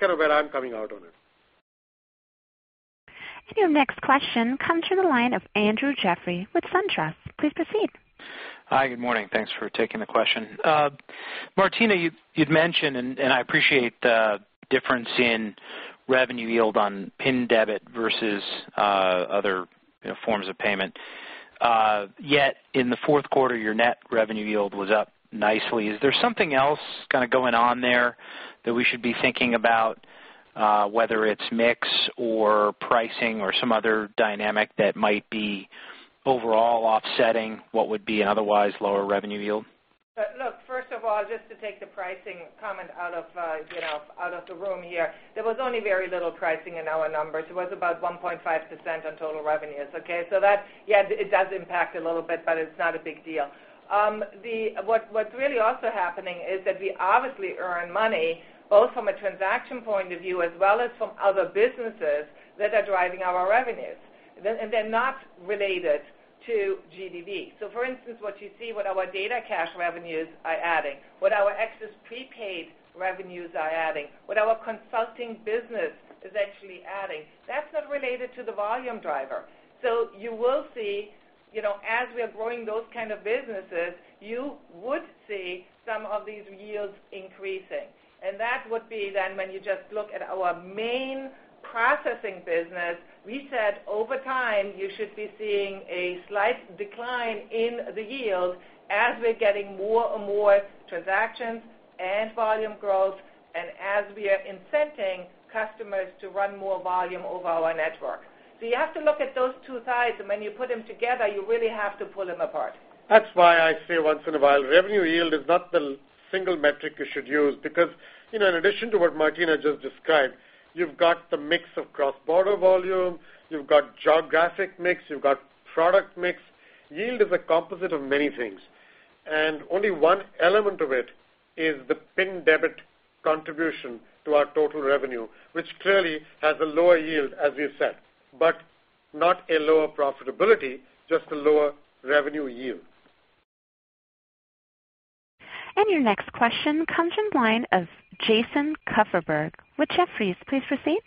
kind of where I'm coming out on it. Your next question comes from the line of Andrew Jeffrey with SunTrust. Please proceed. Hi, good morning. Thanks for taking the question. Martina, you'd mentioned, and I appreciate the difference in revenue yield on PIN debit versus other forms of payment. Yet in the fourth quarter, your net revenue yield was up nicely. Is there something else kind of going on there that we should be thinking about, whether it's mix or pricing or some other dynamic that might be overall offsetting what would be an otherwise lower revenue yield? Look, first of all, just to take the pricing comment out of the room here, there was only very little pricing in our numbers. It was about 1.5% on total revenues, okay? That does impact a little bit, but it's not a big deal. What's really also happening is that we obviously earn money both from a transaction point of view as well as from other businesses that are driving our revenues, and they're not related to GDP. For instance, what you see, what our data cache revenues are adding, what our excess prepaid revenues are adding, what our consulting business is actually adding, that's not related to the volume driver. You will see, as we are growing those kinds of businesses, you would see some of these yields increasing. That would be then when you just look at our main processing business. We said over time, you should be seeing a slight decline in the yield as we're getting more and more transactions and volume growth and as we are incenting customers to run more volume over our network. You have to look at those two sides, and when you put them together, you really have to pull them apart. That's why I say once in a while, revenue yield is not the single metric you should use because, you know, in addition to what Martina just described, you've got the mix of cross-border volume, you've got geographic mix, you've got product mix. Yield is a composite of many things. Only one element of it is the PIN debit contribution to our total revenue, which clearly has a lower yield, as we said, but not a lower profitability, just a lower revenue yield. Your next question comes from the line of Jason Kupferberg with Jefferies. Please proceed.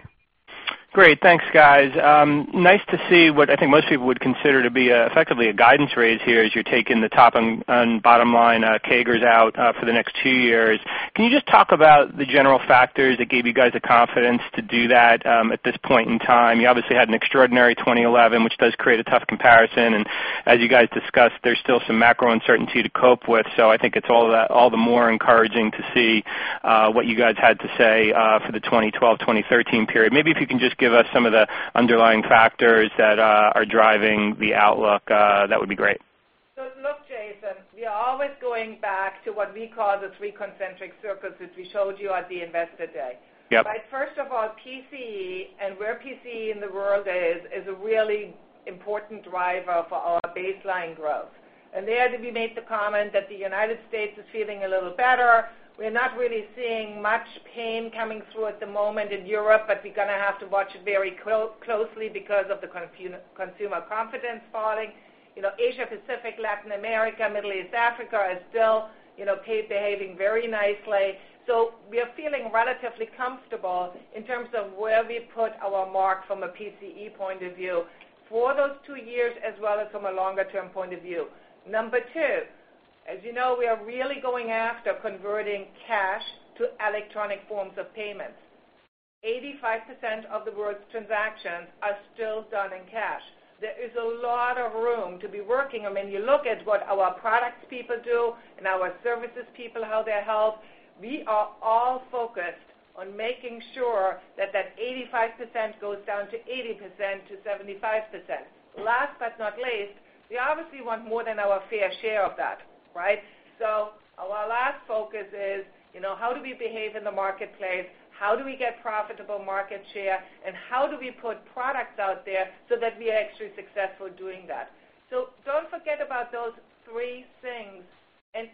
Great. Thanks, guys. Nice to see what I think most people would consider to be effectively a guidance raise here as you're taking the top and bottom line CAGRs out for the next two years. Can you just talk about the general factors that gave you guys the confidence to do that at this point in time? You obviously had an extraordinary 2011, which does create a tough comparison. As you guys discussed, there's still some macro uncertainty to cope with. I think it's all the more encouraging to see what you guys had to say for the 2012-2013 period. Maybe if you can just give us some of the underlying factors that are driving the outlook, that would be great. Jason, we are always going back to what we call the three concentric circles, which we showed you at the Investor Day. Yep. First of all, PCE, and where PCE in the world is, is a really important driver for our baseline growth. There we made the comment that the United States is feeling a little better. We're not really seeing much pain coming through at the moment in Europe, but we're going to have to watch it very closely because of the consumer confidence falling. Asia-Pacific, Latin America, Middle East, Africa is still, you know, behaving very nicely. We are feeling relatively comfortable in terms of where we put our mark from a PCE point of view for those two years, as well as from a longer-term point of view. Number two, as you know, we are really going after converting cash to electronic forms of payments. 85% of the world's transactions are still done in cash. There is a lot of room to be working. I mean, you look at what our products people do and our services people, how they're held. We are all focused on making sure that that 85% goes down to 80% to 75%. Last but not least, we obviously want more than our fair share of that, right? Our last focus is, you know, how do we behave in the marketplace? How do we get profitable market share? How do we put products out there so that we are actually successful doing that? Don't forget about those three things.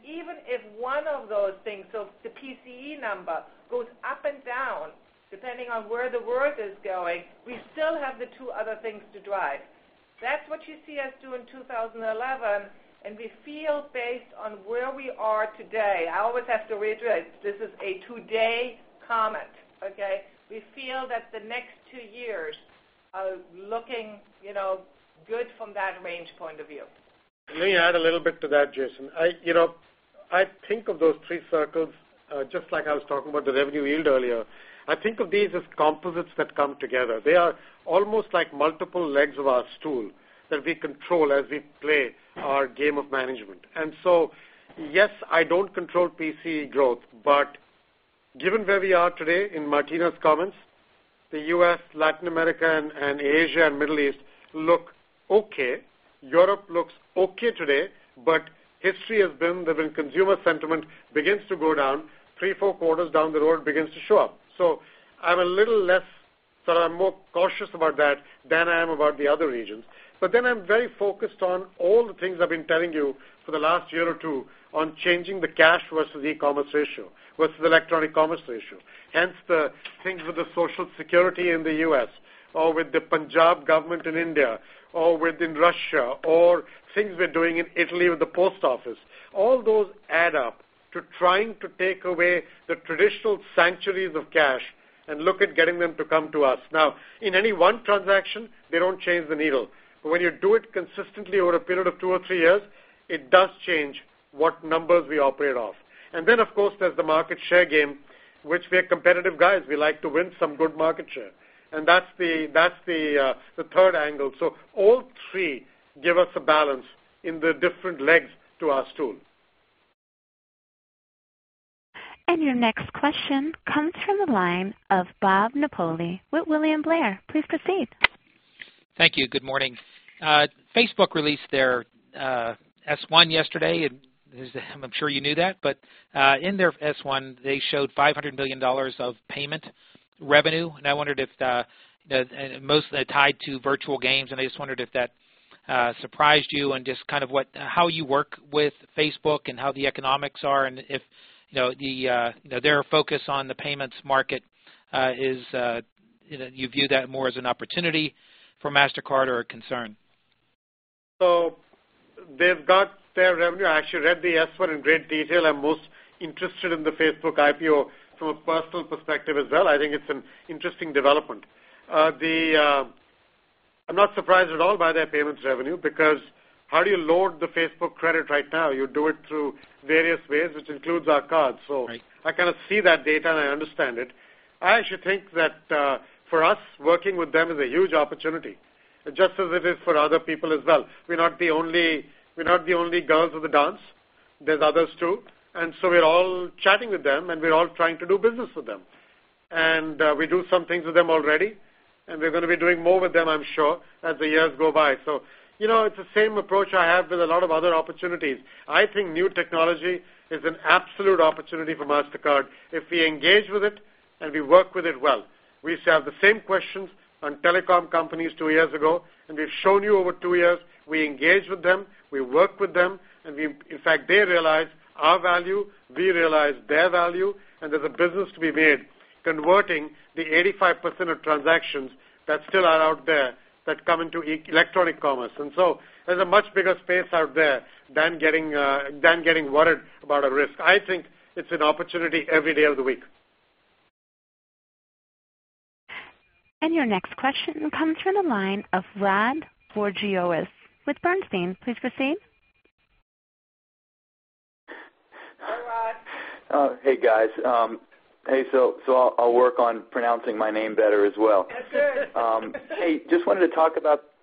Even if one of those things, so the PCE number goes up and down depending on where the world is going, we still have the two other things to drive. That's what you see us do in 2011. We feel based on where we are today, I always have to reiterate, this is a two-day comment, okay? We feel that the next two years are looking, you know, good from that range point of view. Let me add a little bit to that, Jason. I think of those three circles, just like I was talking about the revenue yield earlier. I think of these as composites that come together. They are almost like multiple legs of our stool that we control as we play our game of management. Yes, I don't control PCE growth, but given where we are today in Martina's comments, the U.S., Latin America, and Asia, and Middle East look okay. Europe looks okay today, but history has been that when consumer sentiment begins to go down, three or four quarters down the road it begins to show up. I'm more cautious about that than I am about the other regions. I'm very focused on all the things I've been telling you for the last year or two on changing the cash versus e-commerce ratio, versus the electronic commerce ratio. Hence the things with the Social Security in the U.S., or with the Punjab government in India, or within Russia, or things we're doing in Italy with the post office. All those add up to trying to take away the traditional sanctuaries of cash and look at getting them to come to us. In any one transaction, they don't change the needle. When you do it consistently over a period of two or three years, it does change what numbers we operate off. Of course, there's the market share game, which we are competitive guys. We like to win some good market share. That's the third angle. All three give us a balance in the different legs to our stool. Your next question comes from the line of Bob Napoli with William Blair. Please proceed. Thank you. Good morning. Facebook released their S-1 yesterday, and I'm sure you knew that. In their S-1, they showed $500 million of payment revenue. I wondered if mostly tied to virtual games, and I just wondered if that surprised you and just kind of how you work with Facebook and how the economics are. If their focus on the payments market is, you view that more as an opportunity for Mastercard or a concern? They've got fair revenue. I actually read the S-1 in great detail. I'm most interested in the Facebook IPO from a personal perspective as well. I think it's an interesting development. I'm not surprised at all by their payments revenue because how do you load the Facebook credit right now? You do it through various ways, which includes our card. Right. I kind of see that data, and I understand it. I actually think that for us, working with them is a huge opportunity, just as it is for other people as well. We're not the only girls in the dance. There's others too. We're all chatting with them, and we're all trying to do business with them. We do some things with them already, and we're going to be doing more with them, I'm sure, as the years go by. It's the same approach I have with a lot of other opportunities. I think new technology is an absolute opportunity for Mastercard if we engage with it and we work with it well. We used to have the same questions on telecom companies two years ago, and we've shown you over two years, we engage with them, we work with them, and they realize our value, we realize their value, and there's a business to be made converting the 85% of transactions that still are out there that come into electronic commerce. There's a much bigger space out there than getting worried about a risk. I think it's an opportunity every day of the week. Your next question comes from the line of Rod Bourgeois with Bernstein. Please proceed. Hi, Rad. Hey, guys. I'll work on pronouncing my name better as well. Yes, sir. Hey, just wanted to talk about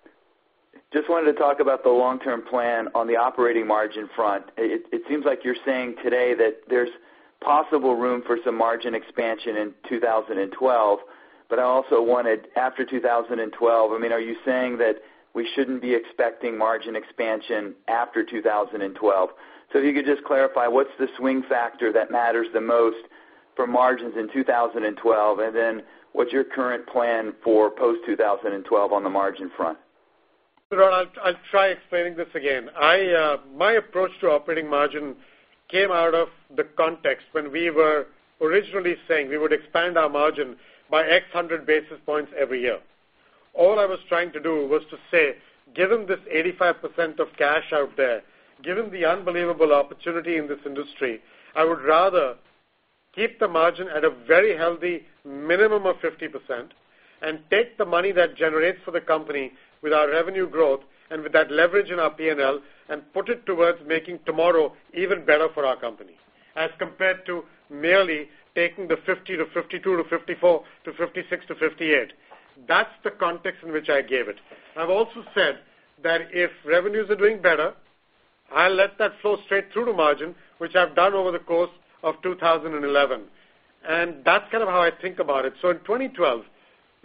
the long-term plan on the operating margin front. It seems like you're saying today that there's possible room for some margin expansion in 2012. I also wanted, after 2012, I mean, are you saying that we shouldn't be expecting margin expansion after 2012? If you could just clarify, what's the swing factor that matters the most for margins in 2012? What's your current plan for post-2012 on the margin front? I'll try explaining this again. My approach to operating margin came out of the context when we were originally saying we would expand our margin by X hundred basis points every year. All I was trying to do was to say, given this 85% of cash out there, given the unbelievable opportunity in this industry, I would rather keep the margin at a very healthy minimum of 50% and take the money that generates for the company with our revenue growth and with that leverage in our P&L and put it towards making tomorrow even better for our company, as compared to merely taking the 50% to 52% to 54% to 56% to 58%. That's the context in which I gave it. I've also said that if revenues are doing better, I'll let that flow straight through to margin, which I've done over the course of 2011. That's kind of how I think about it. In 2012,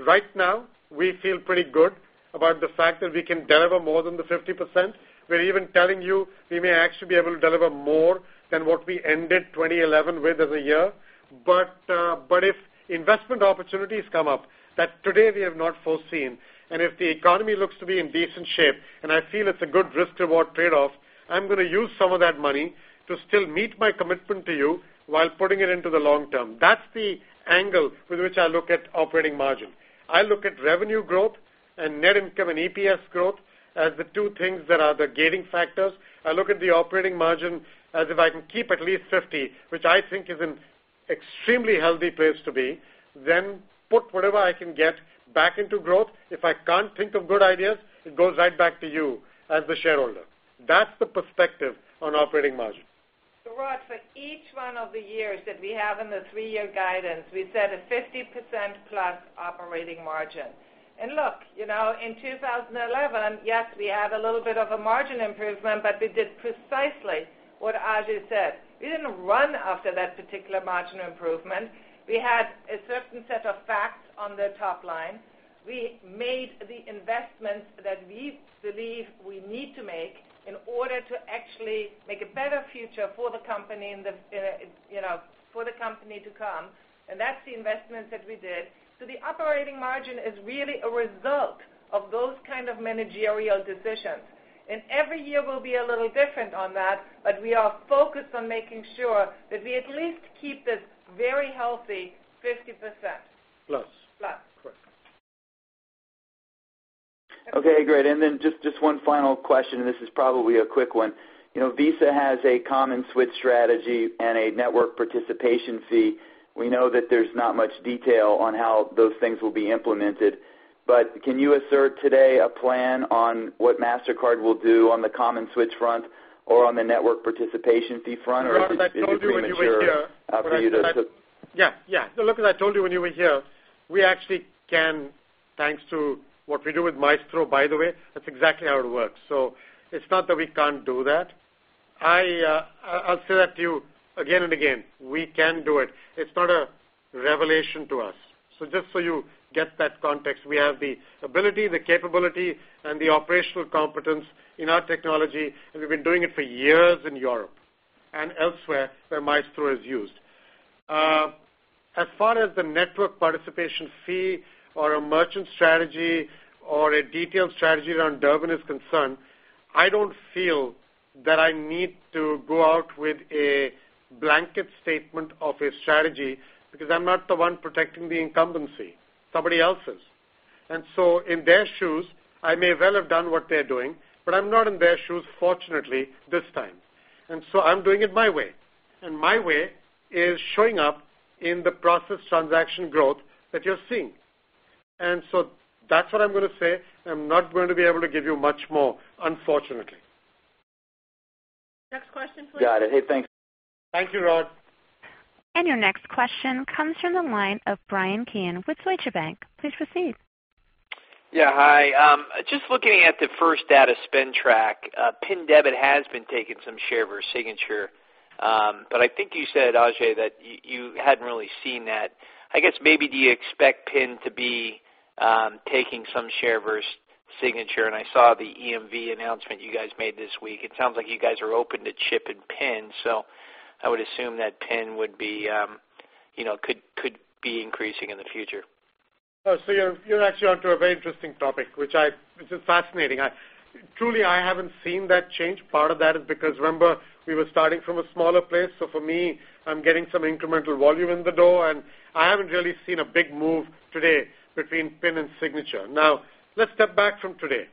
right now, we feel pretty good about the fact that we can deliver more than the 50%. We're even telling you we may actually be able to deliver more than what we ended 2011 with as a year. If investment opportunities come up that today we have not foreseen, and if the economy looks to be in decent shape, and I feel it's a good risk-to-reward trade-off, I'm going to use some of that money to still meet my commitment to you while putting it into the long term. That's the angle with which I look at operating margin. I look at revenue growth and net income and EPS growth as the two things that are the gating factors. I look at the operating margin as if I can keep at least 50%, which I think is an extremely healthy place to be, then put whatever I can get back into growth. If I can't think of good ideas, it goes right back to you as the shareholder. That's the perspective on operating margin. For each one of the years that we have in the three-year guidance, we set a 50%+ operating margin. In 2011, yes, we had a little bit of a margin improvement, but we did precisely what Ajay said. We didn't run after that particular margin improvement. We had a certain set of facts on the top line. We made the investments that we believe we need to make in order to actually make a better future for the company and for the company to come. That's the investments that we did. The operating margin is really a result of those kinds of managerial decisions. Every year will be a little different on that, but we are focused on making sure that we at least keep this very healthy 50%. Plus. Plus. Correct. Okay, great. One final question, and this is probably a quick one. You know, Visa has a common switch strategy and a network participation fee. We know that there's not much detail on how those things will be implemented. Can you assert today a plan on what Mastercard will do on the common switch front or on the network participation fee front? Look, as I told you when you were here. means for Mastercard going forward? Yeah, yeah. No, look, as I told you when you were here, we actually can, thanks to what we do with Maestro, by the way, that's exactly how it works. It's not that we can't do that. I'll say that to you again and again, we can do it. It's not a revelation to us. Just so you get that context, we have the ability, the capability, and the operational competence in our technology. We've been doing it for years in Europe and elsewhere where Maestro is used. As far as the network participation fee or a merchant strategy or a detailed strategy around Durban is concerned, I don't feel that I need to go out with a blanket statement of a strategy because I'm not the one protecting the incumbency. Somebody else is. In their shoes, I may well have done what they're doing, but I'm not in their shoes, fortunately, this time. I'm doing it my way. My way is showing up in the process transaction growth that you're seeing. That's what I'm going to say. I'm not going to be able to give you much more, unfortunately. Next question, please. Got it. Hey, thanks. Thank you, Rod. Your next question comes from the line of Bryan Keane with Deutsche Bank. Please proceed. Yeah, hi. Just looking at the First Data spend track, PIN debit has been taking some share of your signature. I think you said, Ajay, that you hadn't really seen that. I guess maybe do you expect PIN to be taking some share of your signature? I saw the EMV announcement you guys made this week. It sounds like you guys are open to chip-and-PIN. I would assume that PIN would be, you know, could be increasing in the future. Oh, you're actually onto a very interesting topic, which is fascinating. Truly, I haven't seen that change. Part of that is because, remember, we were starting from a smaller place. For me, I'm getting some incremental volume in the door, and I haven't really seen a big move today between PIN and signature. Now, let's step back from today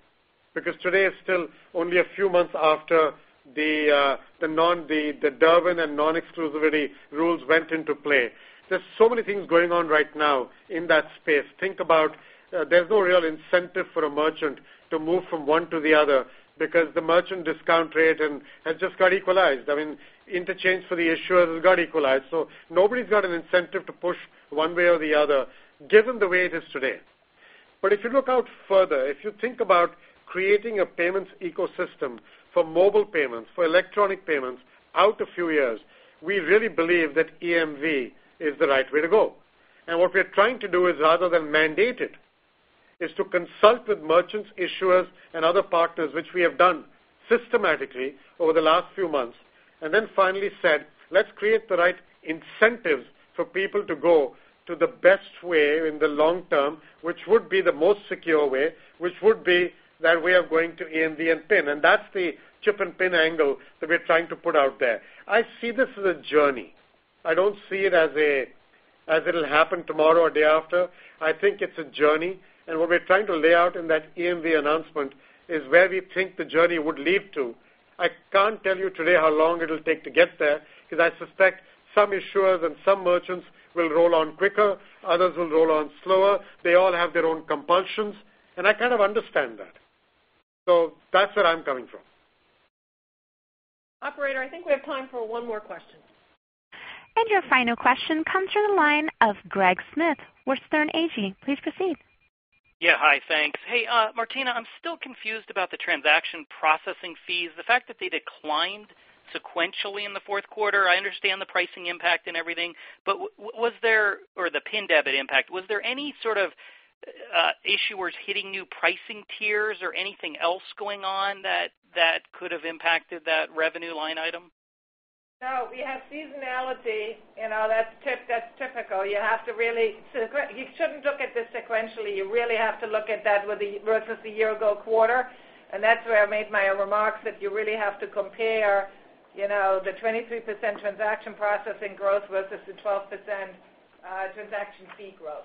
because today is still only a few months after the Durban and non-exclusivity rules went into play. There are so many things going on right now in that space. Think about it, there's no real incentive for a merchant to move from one to the other because the merchant discount rate has just got equalized. I mean, interchange for the issuer has got equalized. Nobody's got an incentive to push one way or the other, given the way it is today. If you look out further, if you think about creating a payments ecosystem for mobile payments, for electronic payments, out a few years, we really believe that EMV is the right way to go. What we're trying to do is, rather than mandate it, is to consult with merchants, issuers, and other partners, which we have done systematically over the last few months, and then finally said, let's create the right incentives for people to go to the best way in the long term, which would be the most secure way, which would be that way of going to EMV and PIN. That's the chip-and-PIN angle that we're trying to put out there. I see this as a journey. I don't see it as it'll happen tomorrow or the day after. I think it's a journey. What we're trying to lay out in that EMV announcement is where we think the journey would lead to. I can't tell you today how long it'll take to get there because I suspect some issuers and some merchants will roll on quicker. Others will roll on slower. They all have their own compulsions. I kind of understand that. That's where I'm coming from. Operator, I think we have time for one more question. Your final question comes from the line of Greg Smith with Sterne Agee. Please proceed. Yeah, hi, thanks. Hey, Martina, I'm still confused about the transaction processing fees. The fact that they declined sequentially in the fourth quarter, I understand the pricing impact and everything, but was there, or the PIN debit impact, was there any sort of issuers hitting new pricing tiers or anything else going on that could have impacted that revenue line item? No, we have seasonality. You know, that's typical. You have to really, you shouldn't look at this sequentially. You really have to look at that versus the year-ago quarter. That's where I made my remarks that you really have to compare the 23% transaction processing growth versus the 12% transaction fee growth.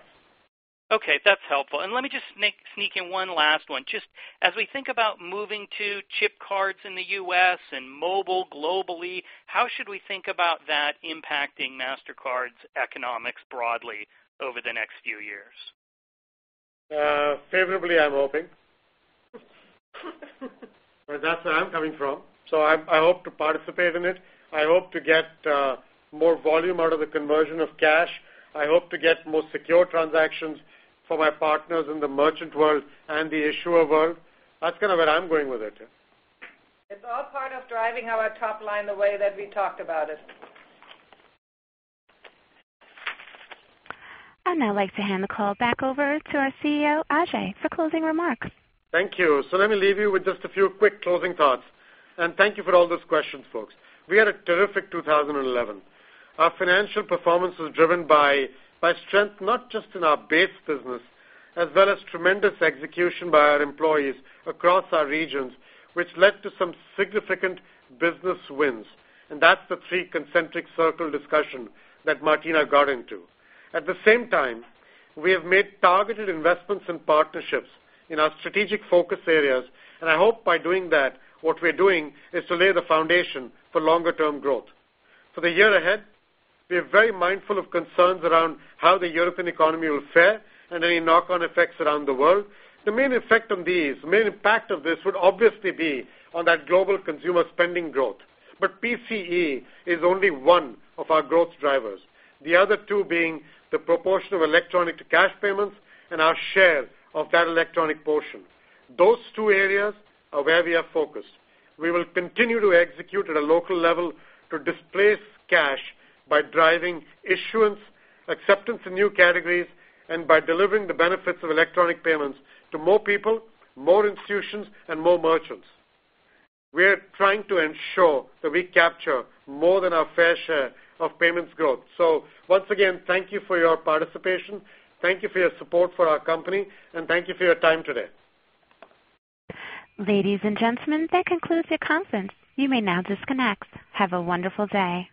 Okay, that's helpful. Let me just sneak in one last one. Just as we think about moving to chip cards in the U.S. and mobile globally, how should we think about that impacting Mastercard's economics broadly over the next few years. I'm hoping. That's where I'm coming from. I hope to participate in it. I hope to get more volume out of the conversion of cash. I hope to get more secure transactions for my partners in the merchant world and the issuer world. That's kind of where I'm going with it, yeah. It's all part of driving our top line the way that we talked about it. I'd like to hand the call back over to our CEO, Ajay, for closing remarks. Thank you. Let me leave you with just a few quick closing thoughts. Thank you for all those questions, folks. We had a terrific 2011. Our financial performance was driven by strength not just in our base business, as well as tremendous execution by our employees across our regions, which led to some significant business wins. That is the three concentric circle discussion that Martina got into. At the same time, we have made targeted investments and partnerships in our strategic focus areas. I hope by doing that, what we're doing is to lay the foundation for longer-term growth. For the year ahead, we are very mindful of concerns around how the European economy will fare and any knock-on effects around the world. The main effect of this would obviously be on that global consumer spending growth. PCE is only one of our growth drivers, the other two being the proportion of electronic to cash payments and our share of that electronic portion. Those two areas are where we are focused. We will continue to execute at a local level to displace cash by driving issuance, acceptance in new categories, and by delivering the benefits of electronic payments to more people, more institutions, and more merchants. We are trying to ensure that we capture more than our fair share of payments growth. Once again, thank you for your participation. Thank you for your support for our company. Thank you for your time today. Ladies and gentlemen, that concludes your conference. You may now disconnect. Have a wonderful day.